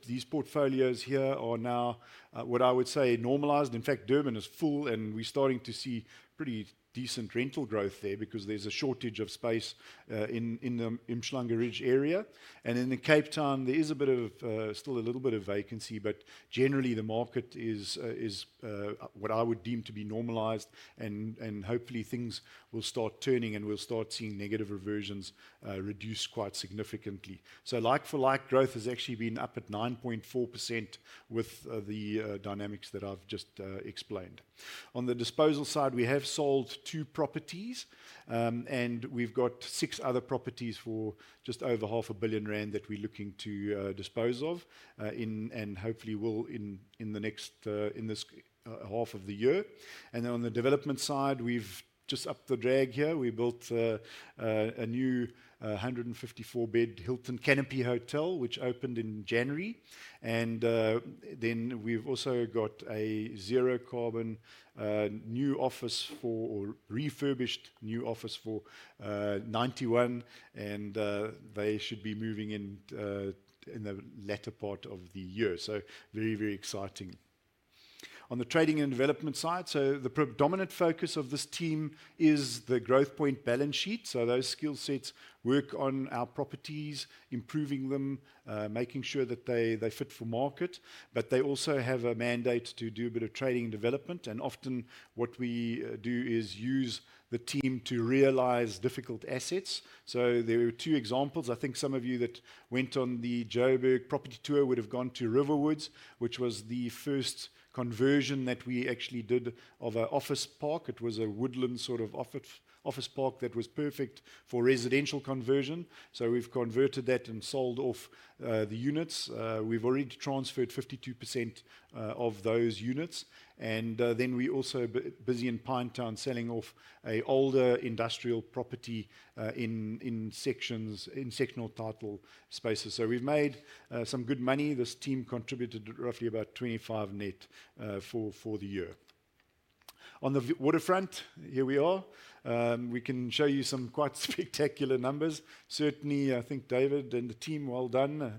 these portfolios here are now what I would say normalized. In fact, Durban is full, and we're starting to see pretty decent rental growth there because there's a shortage of space in the Umhlanga Ridge area. In Cape Town, there is still a little bit of vacancy, but generally the market is what I would deem to be normalised. Hopefully things will start turning and we'll start seeing negative reversions reduced quite significantly. Like-for-like growth has actually been up at 9.4% with the dynamics that I've just explained. On the disposal side, we have sold two properties, and we've got six other properties for just over 500,000,000 rand that we're looking to dispose off and hopefully we'll in the next half of the year. On the development side, we've just upped the drag here. We built a new 154-bed Hilton Canopy Hotel, which opened in January. We have also got a zero carbon new office for refurbished new office for 91, and they should be moving in the latter part of the year. Very, very exciting. On the trading and development side, the predominant focus of this team is the Growthpoint Balance Sheet. Those skill sets work on our properties, improving them, making sure that they fit for market. They also have a mandate to do a bit of trading and development. Often what we do is use the team to realize difficult assets. There were two examples. I think some of you that went on the Johannesburg property tour would have gone to Riverwoods, which was the first conversion that we actually did of an office park. It was a woodland sort of office park that was perfect for residential conversion. We have converted that and sold off the units. We have already transferred 52% of those units. We also are busy in Pinetown selling off an older industrial property in sectional title spaces. We have made some good money. This team contributed roughly about 25 net for the year. On the Waterfront, here we are. We can show you some quite spectacular numbers. Certainly, I think David and the team, well done.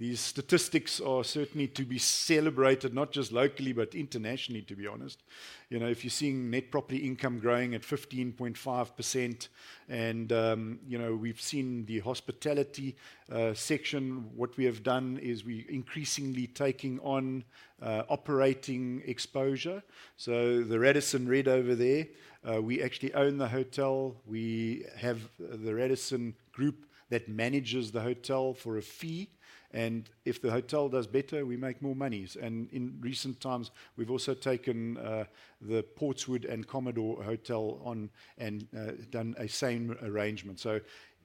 These statistics are certainly to be celebrated, not just locally, but internationally, to be honest. If you are seeing net property income growing at 15.5%, and we have seen the hospitality section, what we have done is we are increasingly taking on operating exposure. The Radisson Red over there, we actually own the hotel. We have the Radisson Group that manages the hotel for a fee. If the hotel does better, we make more money. In recent times, we've also taken the Portswood and Commodore Hotel on and done a same arrangement.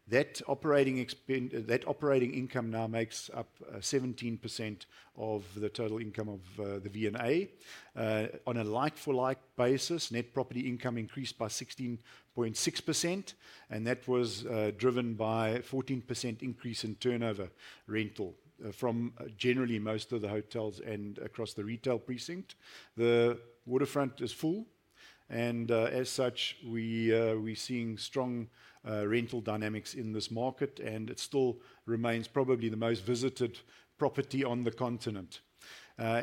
That operating income now makes up 17% of the total income of the V&A. On a like-for-like basis, net property income increased by 16.6%. That was driven by a 14% increase in turnover rental from generally most of the hotels and across the retail precinct, the Waterfront is full. As such, we're seeing strong rental dynamics in this market, and it still remains probably the most visited property on the continent.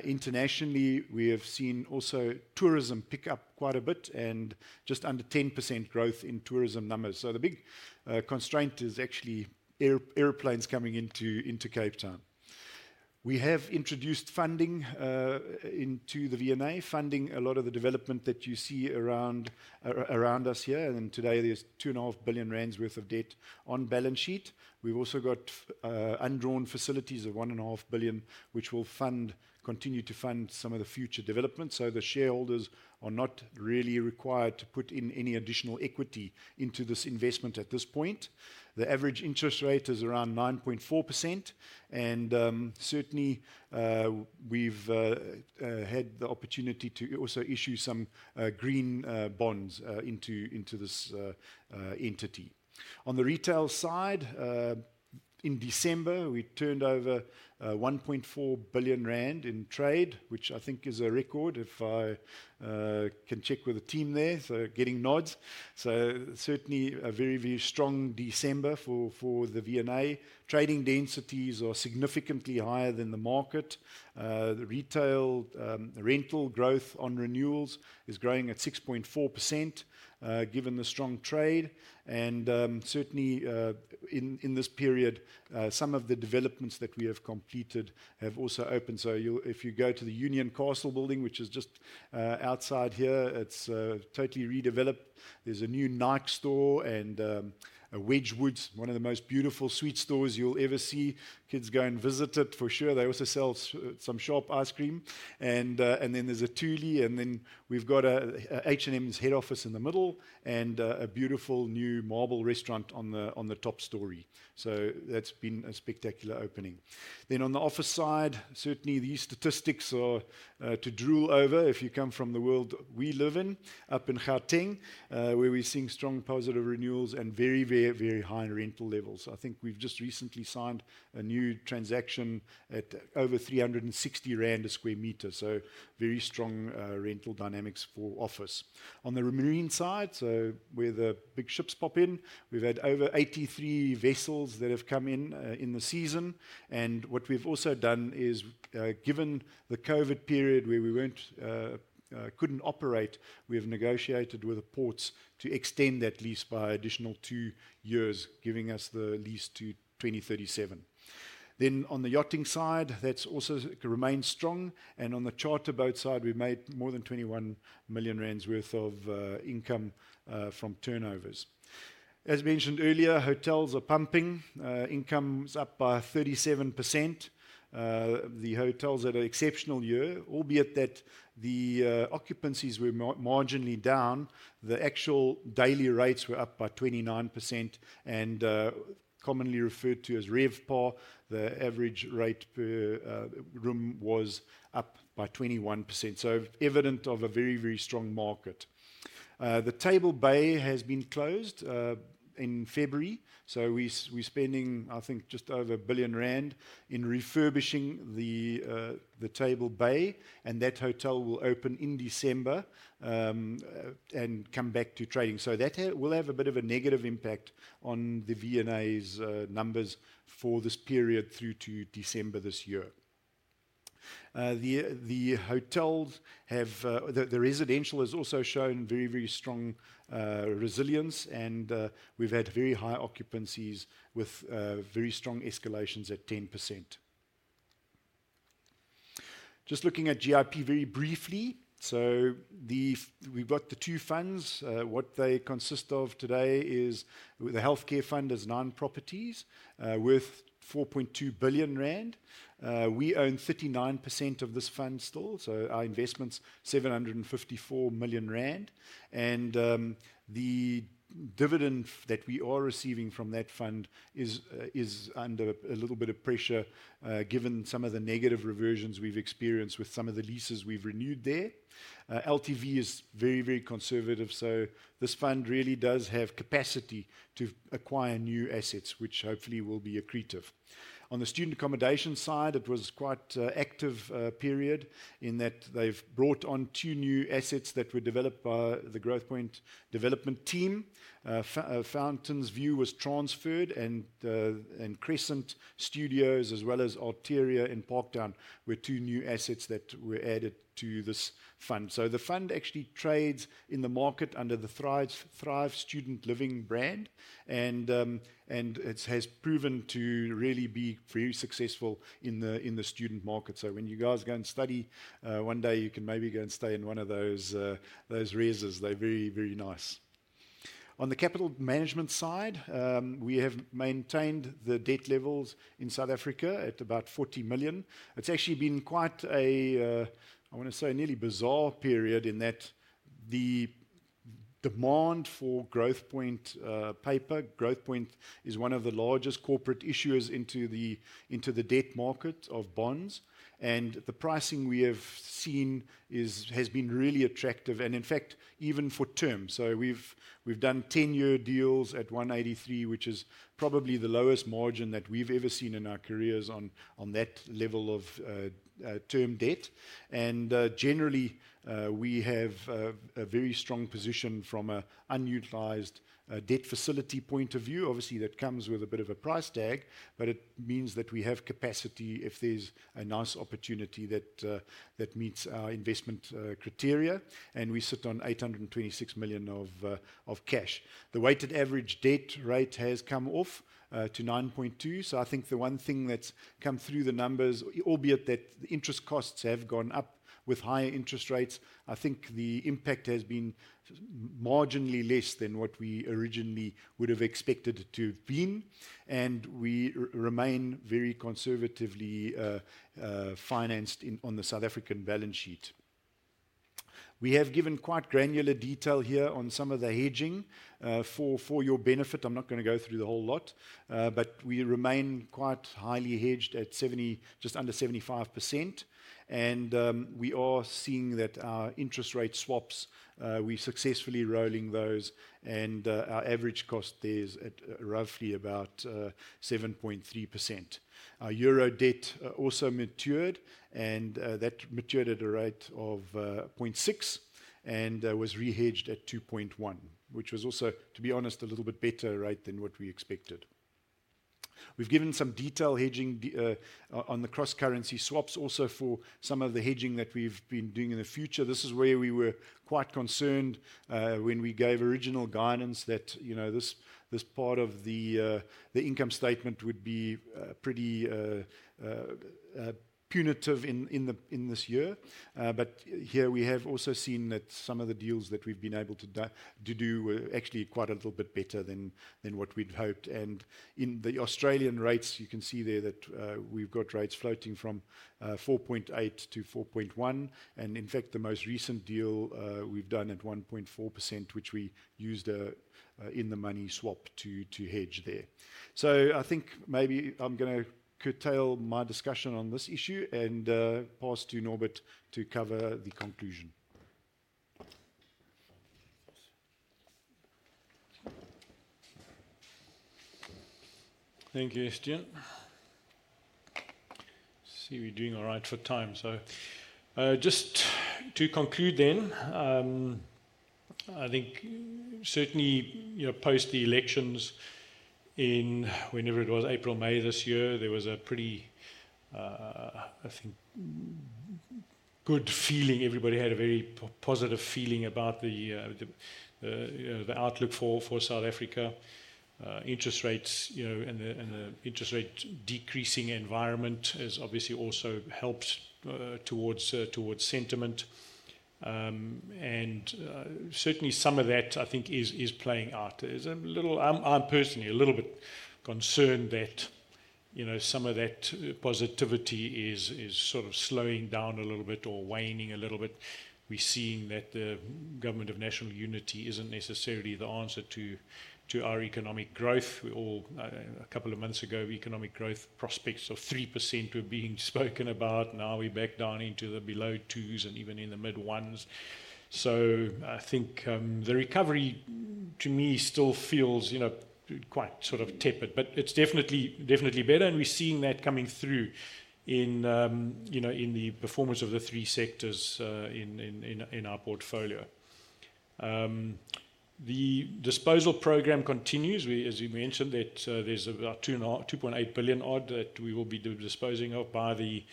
Internationally, we have seen also tourism pick up quite a bit and just under 10% growth in tourism numbers. The big constraint is actually airplanes coming into Cape Town. We have introduced funding into the V&A, funding a lot of the development that you see around us here. Today, there is 2.5 billion rand worth of debt on balance sheet. We have also got undrawn facilities of 1.5 billion, which will continue to fund some of the future developments. The shareholders are not really required to put in any additional equity into this investment at this point. The average interest rate is around 9.4%. We have had the opportunity to also issue some green bonds into this entity. On the retail side, in December, we turned over 1.4 billion rand in trade, which I think is a record if I can check with the team there. Getting nods. Certainly a very, very strong December for the V&A. Trading densities are significantly higher than the market. Retail rental growth on renewals is growing at 6.4% given the strong trade. Certainly in this period, some of the developments that we have completed have also opened. If you go to the Union Castle building, which is just outside here, it is totally redeveloped. There is a new Nike store and a Wedge Woods, one of the most beautiful sweet stores you will ever see. Kids go and visit it for sure. They also sell some sharp ice cream. There is a Tuly. We have H&M's head office in the middle and a beautiful new marble restaurant on the top story. That has been a spectacular opening. On the office side, certainly these statistics are to drool over if you come from the world we live in, up in Gauteng, where we are seeing strong positive renewals and very, very, very high rental levels. I think we have just recently signed a new transaction at over 360 rand a square metre, very strong rental dynamics for office. On the marine side, where the big ships pop in, we have had over 83 vessels that have come in in the season. What we have also done is, given the COVID period where we could not operate, we have negotiated with the ports to extend that lease by an additional two years, giving us the lease to 2037. On the yachting side, that has also remained strong. On the charter boat side, we made more than 21 million rand worth of income from turnovers. As mentioned earlier, hotels are pumping. Income is up by 37%. The hotels had an exceptional year, albeit that the occupancies were marginally down. The actual daily rates were up by 29% and commonly referred to as RevPAR. The average rate per room was up by 21%. Evident of a very, very strong market. The Table Bay has been closed in February. We are spending, I think, just over 1 billion rand in refurbishing the Table Bay. That hotel will open in December and come back to trading. That will have a bit of a negative impact on the V&A's numbers for this period through to December this year. The residential has also shown very, very strong resilience. We have had very high occupancies with very strong escalations at 10%. Just looking at GIP very briefly, we have got the two funds. What they consist of today is the healthcare fund is nine properties worth 4.2 billion rand. We own 39% of this fund still. Our investment is 754 million rand. The dividend that we are receiving from that fund is under a little bit of pressure given some of the negative reversions we've experienced with some of the leases we've renewed there. LTV is very, very conservative. This fund really does have capacity to acquire new assets, which hopefully will be accretive. On the student accommodation side, it was quite an active period in that they've brought on two new assets that were developed by the Growthpoint Development Team. Fountains View was transferred and Crescent Studios, as well as Alteria in Park Town, were two new assets that were added to this fund. The fund actually trades in the market under the Thrive Student Living brand. It has proven to really be very successful in the student market. When you guys go and study one day, you can maybe go and stay in one of those resos. They're very, very nice. On the capital management side, we have maintained the debt levels in South Africa at about 40 million. It's actually been quite a, I want to say, nearly bizarre period in that the demand for Growthpoint paper, Growthpoint is one of the largest corporate issuers into the debt market of bonds. The pricing we have seen has been really attractive. In fact, even for terms. We have done 10-year deals at 183, which is probably the lowest margin that we've ever seen in our careers on that level of term debt. Generally, we have a very strong position from an unutilized debt facility point of view. Obviously, that comes with a bit of a price tag, but it means that we have capacity if there's a nice opportunity that meets our investment criteria. We sit on 826 million of cash. The weighted average debt rate has come off to 9.2%. I think the one thing that's come through the numbers, albeit that the interest costs have gone up with higher interest rates, the impact has been marginally less than what we originally would have expected to have been. We remain very conservatively financed on the South African balance sheet. We have given quite granular detail here on some of the hedging for your benefit. I'm not going to go through the whole lot, but we remain quite highly hedged at just under 75%. We are seeing that our interest rate swaps. We've successfully rolled in those, and our average cost there is roughly about 7.3%. Our euro debt also matured, and that matured at a rate of 0.6 and was rehedged at 2.1, which was also, to be honest, a little bit better rate than what we expected. We've given some detail hedging on the cross-currency swaps also for some of the hedging that we've been doing in the future. This is where we were quite concerned when we gave original guidance that this part of the income statement would be pretty punitive in this year. Here we have also seen that some of the deals that we've been able to do were actually quite a little bit better than what we'd hoped. In the Australian rates, you can see there that we've got rates floating from 4.8-4.1. In fact, the most recent deal we have done at 1.4%, which we used in the money swap to hedge there. I think maybe I am going to curtail my discussion on this issue and pass to Norbert to cover the conclusion. Thank you, Estienne. I see if we are doing all right for time. Just to conclude then, I think certainly post the elections in whenever it was April, May this year, there was a pretty, I think, good feeling. Everybody had a very positive feeling about the outlook for South Africa. Interest rates and the interest rate decreasing environment has obviously also helped towards sentiment. Certainly some of that, I think, is playing out. I am personally a little bit concerned that some of that positivity is sort of slowing down a little bit or waning a little bit. We're seeing that the government of national unity isn't necessarily the answer to our economic growth. A couple of months ago, economic growth prospects of 3% were being spoken about. Now we're back down into the below twos and even in the mid ones. I think the recovery to me still feels quite sort of tepid, but it's definitely better. We're seeing that coming through in the performance of the three sectors in our portfolio. The disposal program continues, as you mentioned, that there's about 2.8 billion odd that we will be disposing of by the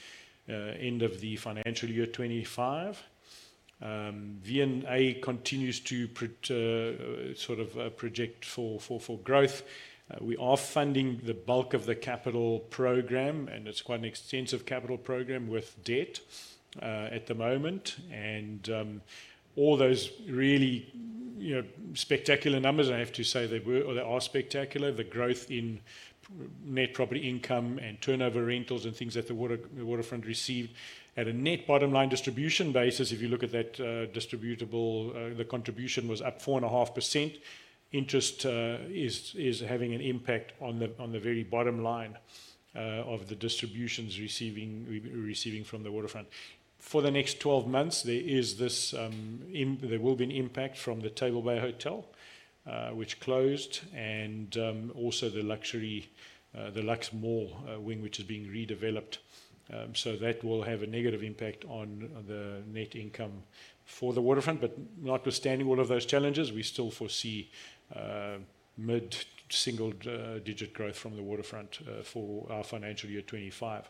end of the financial year 2025. V&A continues to sort of project for growth. We are funding the bulk of the capital program, and it's quite an extensive capital program with debt at the moment. All those really spectacular numbers, I have to say, they are spectacular. The growth in net property income and turnover rentals and things that the Waterfront received at a net bottom line distribution basis, if you look at that distributable, the contribution was up 4.5%. Interest is having an impact on the very bottom line of the distributions we're receiving from the Waterfront. For the next 12 months, there will be an impact from the Table Bay Hotel, which closed, and also the Luxury Luxe Mall wing, which is being redeveloped. That will have a negative impact on the net income for the Waterfront. Notwithstanding all of those challenges, we still foresee mid single digit growth from the Waterfront for our financial year 2025.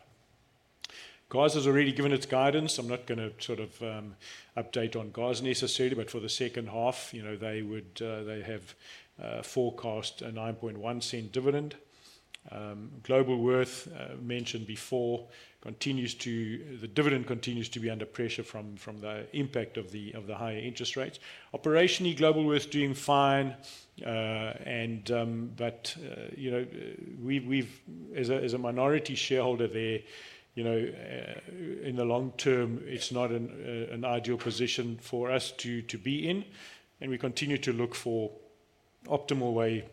GOS has already given its guidance. I'm not going to sort of update on GOS necessarily, but for the second half, they have forecast a 9.1% dividend. Globalworth, mentioned before, the dividend continues to be under pressure from the impact of the higher interest rates. Operationally, Globalworth is doing fine. As a minority shareholder there, in the long term, it's not an ideal position for us to be in. We continue to look for an optimal way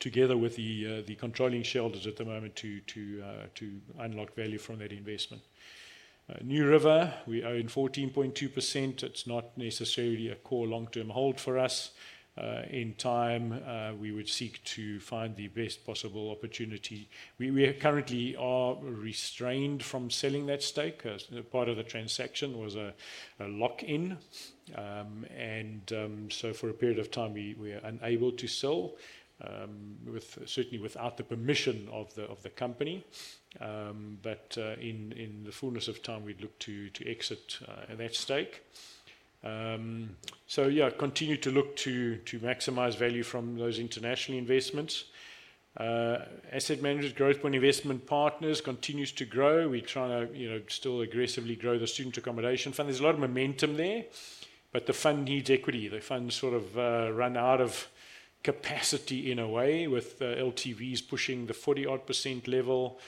together with the controlling shareholders at the moment to unlock value from that investment. NewRiver, we are in 14.2%. It's not necessarily a core long-term hold for us. In time, we would seek to find the best possible opportunity. We are currently all restrained from selling that stake. Part of the transaction was a lock-in. For a period of time, we were unable to sell, certainly without the permission of the company. In the fullness of time, we'd look to exit that stake. We continue to look to maximize value from those international investments. Asset Managers, Growthpoint Investment Partners continues to grow. We're trying to still aggressively grow the student accommodation fund. There's a lot of momentum there, but the fund needs equity. The fund sort of ran out of capacity in a way with LTVs pushing the 40-odd % level.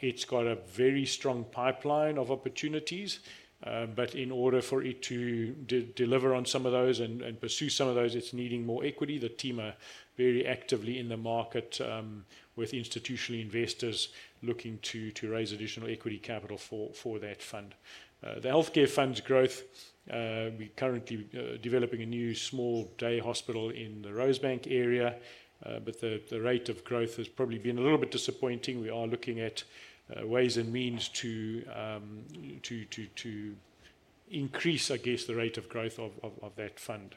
It's got a very strong pipeline of opportunities. In order for it to deliver on some of those and pursue some of those, it's needing more equity. The team are very actively in the market with institutional investors looking to raise additional equity capital for that fund. The healthcare fund's growth, we're currently developing a new small day hospital in the Rosebank area. The rate of growth has probably been a little bit disappointing. We are looking at ways and means to increase, I guess, the rate of growth of that fund.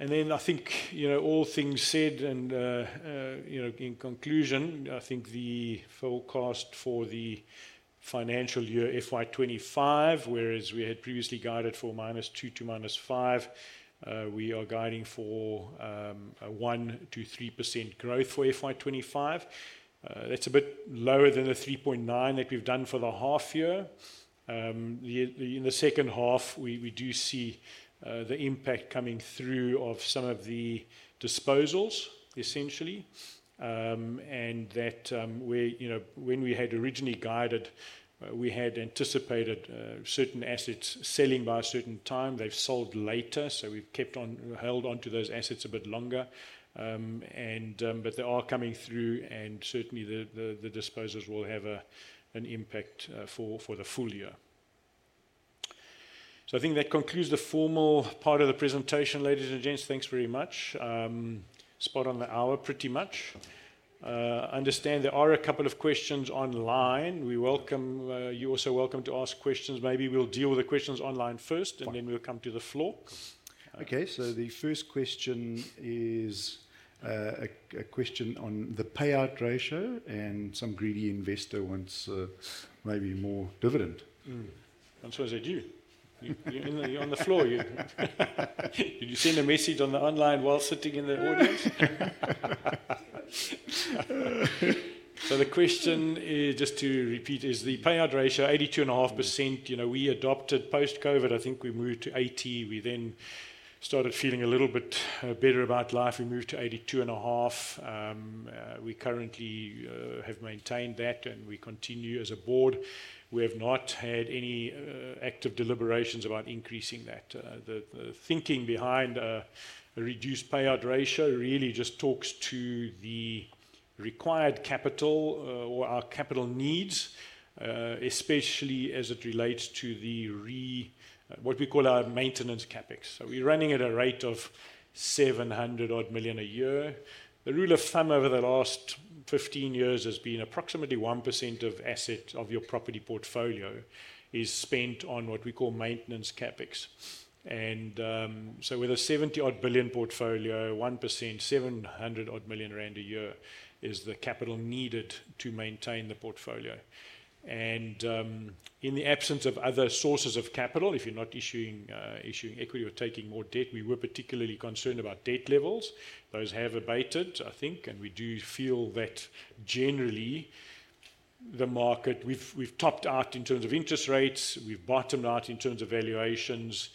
I think all things said, and in conclusion, I think the forecast for the financial year FY25, whereas we had previously guided for -2% to -5%, we are guiding for 1%-3% growth for FY25. That's a bit lower than the 3.9% that we've done for the half year. In the second half, we do see the impact coming through of some of the disposals, essentially. When we had originally guided, we had anticipated certain assets selling by a certain time. They've sold later. We have held on to those assets a bit longer. They are coming through, and certainly the disposals will have an impact for the full year. I think that concludes the formal part of the presentation, ladies and gents. Thanks very much. Spot on the hour, pretty much. I understand there are a couple of questions online. You are also welcome to ask questions. Maybe we'll deal with the questions online first, and then we'll come to the floor. Okay, the first question is a question on the payout ratio and some greedy investor wants maybe more dividend. That's what they do. You're on the floor. Did you send a message online while sitting in the audience? The question, just to repeat, is the payout ratio 82.5%. We adopted post-COVID, I think we moved to 80%. We then started feeling a little bit better about life. We moved to 82.5%. We currently have maintained that, and we continue as a board. We have not had any active deliberations about increasing that. The thinking behind a reduced payout ratio really just talks to the required capital or our capital needs, especially as it relates to what we call our maintenance CapEx. We're running at a rate of 700 million-odd a year. The rule of thumb over the last 15 years has been approximately 1% of assets of your property portfolio is spent on what we call maintenance CapEx. With a 70 billion-odd portfolio, 1%, 700 million rand-odd a year is the capital needed to maintain the portfolio. In the absence of other sources of capital, if you're not issuing equity or taking more debt, we were particularly concerned about debt levels. Those have abated, I think, and we do feel that generally the market, we've topped out in terms of interest rates, we've bottomed out in terms of valuations.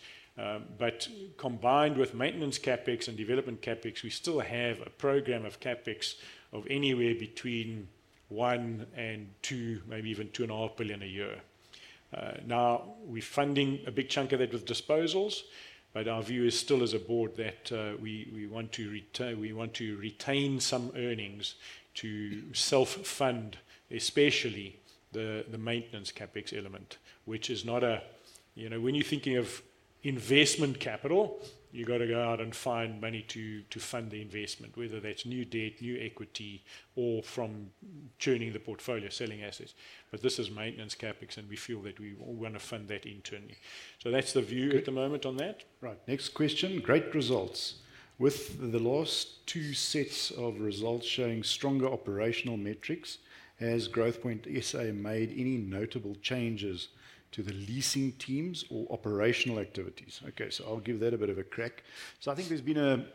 Combined with maintenance CapEx and development CapEx, we still have a program of CapEx of anywhere between 1 billion and 2 billion, maybe even 2.5 billion a year. Now we're funding a big chunk of that with disposals, but our view is still as a board that we want to retain some earnings to self-fund, especially the maintenance CapEx element, which is not a when you're thinking of investment capital, you've got to go out and find money to fund the investment, whether that's new debt, new equity, or from churning the portfolio, selling assets. This is maintenance CapEx, and we feel that we want to fund that internally. That's the view at the moment on that. Right. Next question. Great results. With the last two sets of results showing stronger operational metrics, has Growthpoint SA made any notable changes to the leasing teams or operational activities? Okay, I'll give that a bit of a crack. I think there's been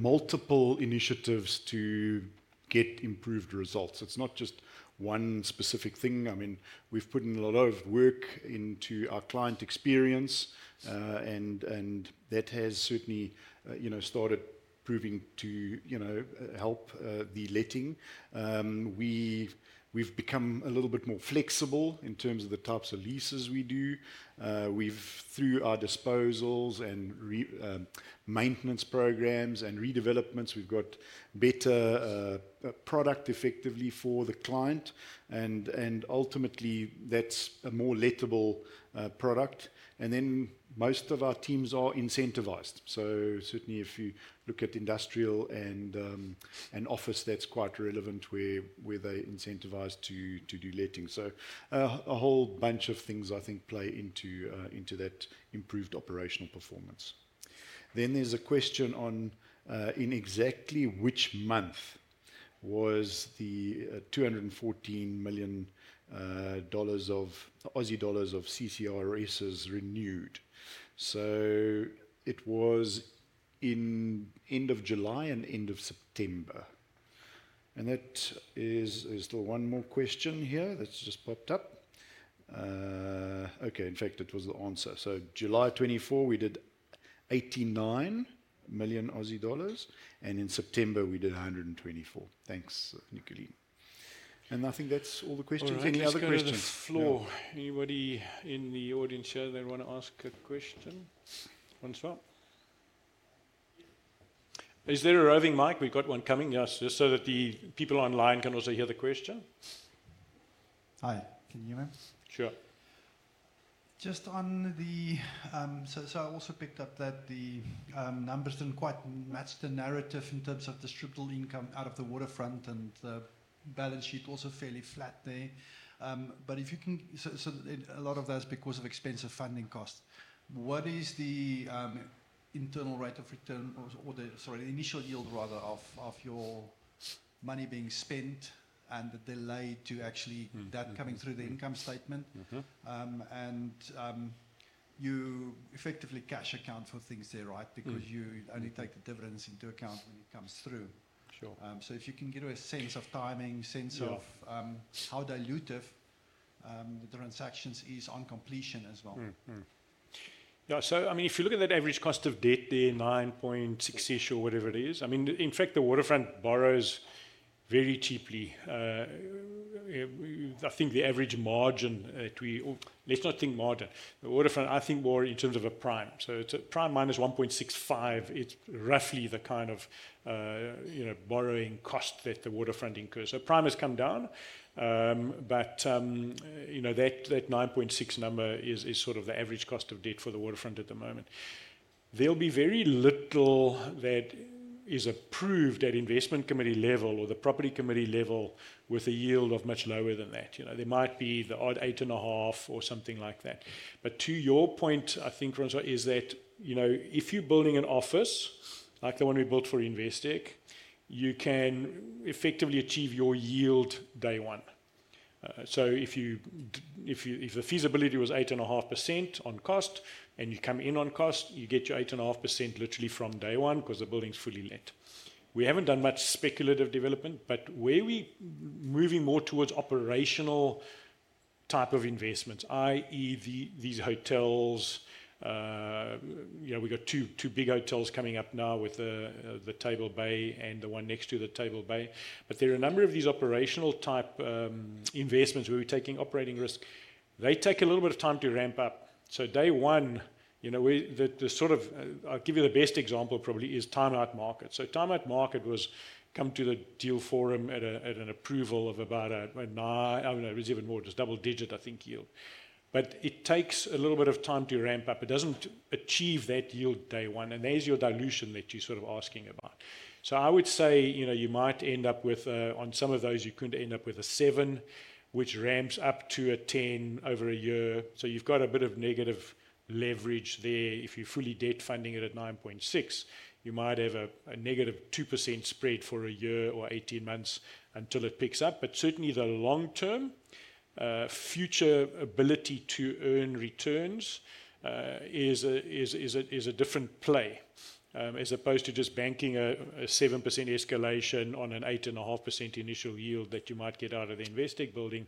multiple initiatives to get improved results. It's not just one specific thing. I mean, we've put in a lot of work into our client experience, and that has certainly started proving to help the letting. We've become a little bit more flexible in terms of the types of leases we do. Through our disposals and maintenance programs and redevelopments, we've got better product effectively for the client. Ultimately, that's a more lettable product. Most of our teams are incentivized. Certainly, if you look at industrial and office, that's quite relevant where they're incentivized to do letting. A whole bunch of things, I think, play into that improved operational performance. There is a question on in exactly which month was the AUD 214 million of CCRS renewed? It was in end of July and end of September. That is still one more question here that's just popped up. Okay, in fact, it was the answer. July 24, we did 89 million Aussie dollars, and in September, we did 124 million. Thanks. I think that's all the questions. Anybody in the audience here that want to ask a question? Hands up. Is there a roving mic? We've got one coming. Yes, just so that the people online can also hear the question. Hi, can you hear me? Sure. Just on the, so I also picked up that the numbers didn't quite match the narrative in terms of the stripped income out of the Waterfront, and the balance sheet was also fairly flat there. If you can, a lot of that's because of expensive funding costs. What is the internal rate of return or the initial yield, rather, of your money being spent and the delay to actually that coming through the income statement? You effectively cash account for things there, right? Because you only take the dividends into account when it comes through. Sure If you can give a sense of timing, sense of how dilutive the transactions is on completion as well. Yeah, I mean, if you look at that average cost of debt, they're 9.6-ish or whatever it is. I mean, in fact, the Waterfront borrows very cheaply. I think the average margin that we—let's not think margin. The Waterfront, I think, borrow in terms of a prime. So it's a prime minus 1.65. It's roughly the kind of borrowing cost that the Waterfront incurs. Prime has come down, but that 9.6 number is sort of the average cost of debt for the Waterfront at the moment. There'll be very little that is approved at investment committee level or the property committee level with a yield of much lower than that. There might be the odd 8.5 or something like that. To your point, I think, Rosa, if you're building an office like the one we built for Investec, you can effectively achieve your yield day one. If the feasibility was 8.5% on cost and you come in on cost, you get your 8.5% literally from day one because the building's fully let. We haven't done much speculative development, but we're moving more towards operational type of investments, i.e., these hotels. We've got two big hotels coming up now with the Table Bay and the one next to the Table Bay. There are a number of these operational type investments where we're taking operating risk. They take a little bit of time to ramp up. Day one, the sort of I'll give you the best example probably is Time Out Market. Time Out Market was come to the deal forum at an approval of about a 9, it was even more, just double digit, I think, yield. It takes a little bit of time to ramp up. It doesn't achieve that yield day one. There's your dilution that you're sort of asking about. I would say you might end up with on some of those, you could end up with a 7, which ramps up to a 10 over a year. You've got a bit of negative leverage there. If you're fully debt funding it at 9.6, you might have a negative 2% spread for a year or 18 months until it picks up. Certainly, the long-term future ability to earn returns is a different play as opposed to just banking a 7% escalation on an 8.5% initial yield that you might get out of the Investec building.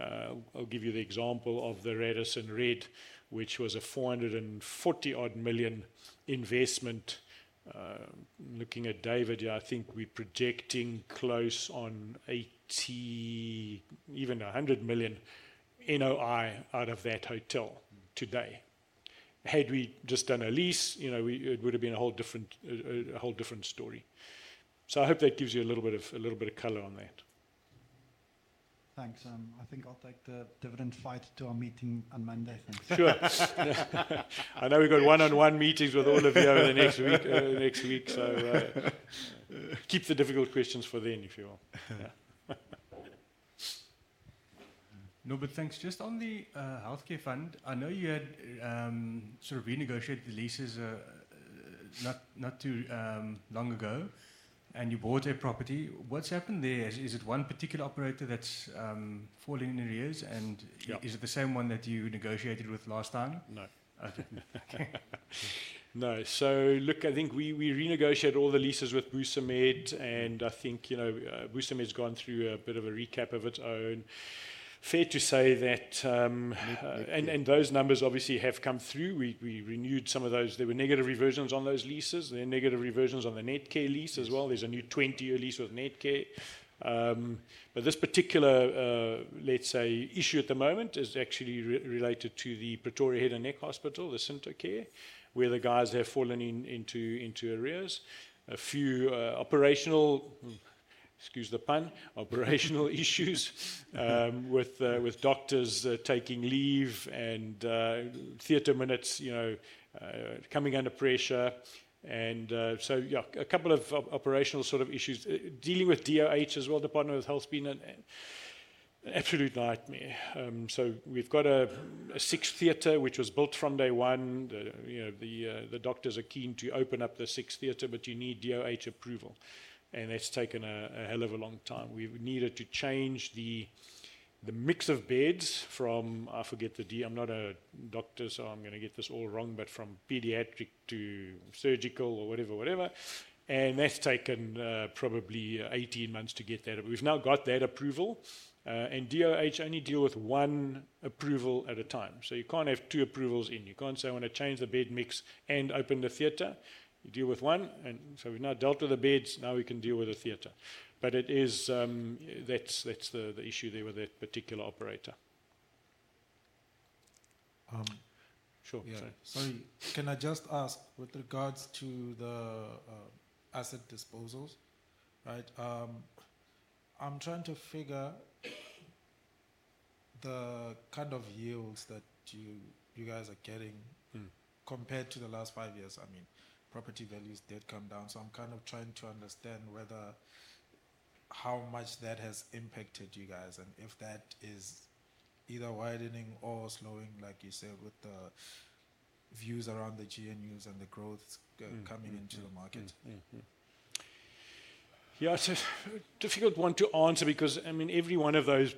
I'll give you the example of the Radisson Red, which was a 440-odd million investment. Looking at David, I think we're projecting close on 80, even 100 million NOI out of that hotel today. Had we just done a lease, it would have been a whole different story. I hope that gives you a little bit of color on that. Thanks. I think I'll take the dividend fight to our meeting on Monday. Thanks. I know we've got one-on-one meetings with all of you over the next week. Keep the difficult questions for then, if you will. No, but thanks. Just on the healthcare fund, I know you had sort of renegotiated the leases not too long ago, and you bought a property. What's happened there? Is it one particular operator that's fallen in arrears? Yeah Is it the same one that you negotiated with last time? No. No. Look, I think we renegotiated all the leases with Busamed, and I think Busamed's gone through a bit of a recap of its own. Fair to say that and those numbers obviously have come through. We renewed some of those. There were negative reversions on those leases. There are negative reversions on the Netcare lease as well. There's a new 20-year lease with Netcare. This particular, let's say, issue at the moment is actually related to the Pretoria Head and Neck Hospital, the, <unintelligible> where the guys have fallen into arrears. A few operational, excuse the pun, operational issues with doctors taking leave and theater minutes coming under pressure. Yeah, a couple of operational sort of issues. Dealing with DOH as well, Department of Health's been an absolute nightmare. We've got a sixth theater, which was built from day one. The doctors are keen to open up the sixth theater, but you need DOH approval. That's taken a hell of a long time. We needed to change the mix of beds from, I forget the D, I'm not a doctor, so I'm going to get this all wrong, but from pediatric to surgical or whatever, whatever. That's taken probably 18 months to get that. We've now got that approval. DOH only deal with one approval at a time. You can't have two approvals in. You can't say, "I want to change the bed mix and open the theater." You deal with one. We have now dealt with the beds. Now we can deal with the theater. That is the issue there with that particular operator. Sure. Sorry. Can I just ask with regards to the asset disposals, right? I'm trying to figure the kind of yields that you guys are getting compared to the last five years. I mean, property values did come down. I am trying to understand whether how much that has impacted you guys and if that is either widening or slowing, like you said, with the views around the GNU and the growth coming into the market. Yeah. It's a difficult one to answer because, I mean, every one of those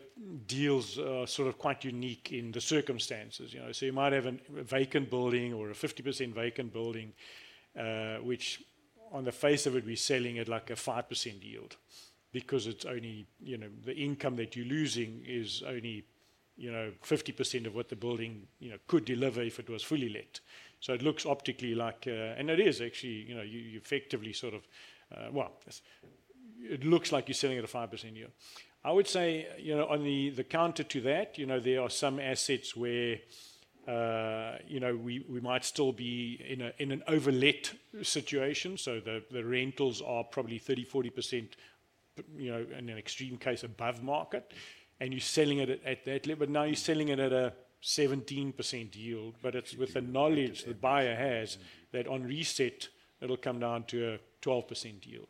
deals is quite unique in the circumstances. You might have a vacant building or a 50% vacant building, which on the face of it, we're selling at like a 5% yield because the income that you're losing is only 50% of what the building could deliver if it was fully let. It looks optically like, and it is actually, you effectively sort of, it looks like you're selling at a 5% yield. I would say on the counter to that, there are some assets where we might still be in an overlet situation. The rentals are probably 30-40%, in an extreme case, above market, and you're selling it at that level. Now you're selling it at a 17% yield, but it's with the knowledge the buyer has that on reset, it'll come down to a 12% yield.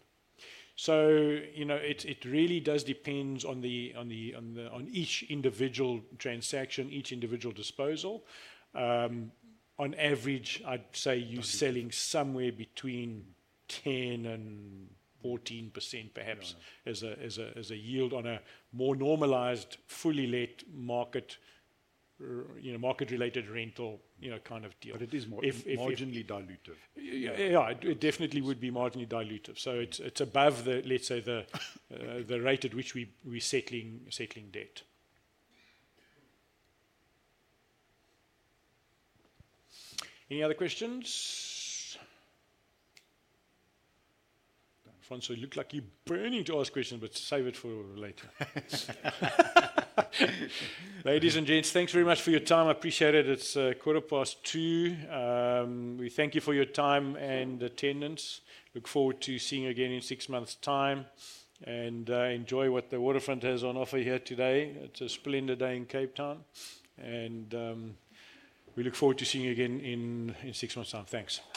It really does depend on each individual transaction, each individual disposal. On average, I'd say you're selling somewhere between 10% and 14%, perhaps, as a yield on a more normalized, fully let market-related rental kind of deal. It is marginally dilutive. Yeah, it definitely would be marginally dilutive. It is above, let's say, the rate at which we're settling debt. Any other questions? You look like you're burning to ask questions, but save it for later. Ladies and gents, thanks very much for your time. I appreciate it. It's quarter past two. We thank you for your time and attendance. Look forward to seeing you again in six months time. Enjoy what the Waterfront has on offer here today. It's a splendid day in Cape Town. We look forward to seeing you again in six months' time. Thanks.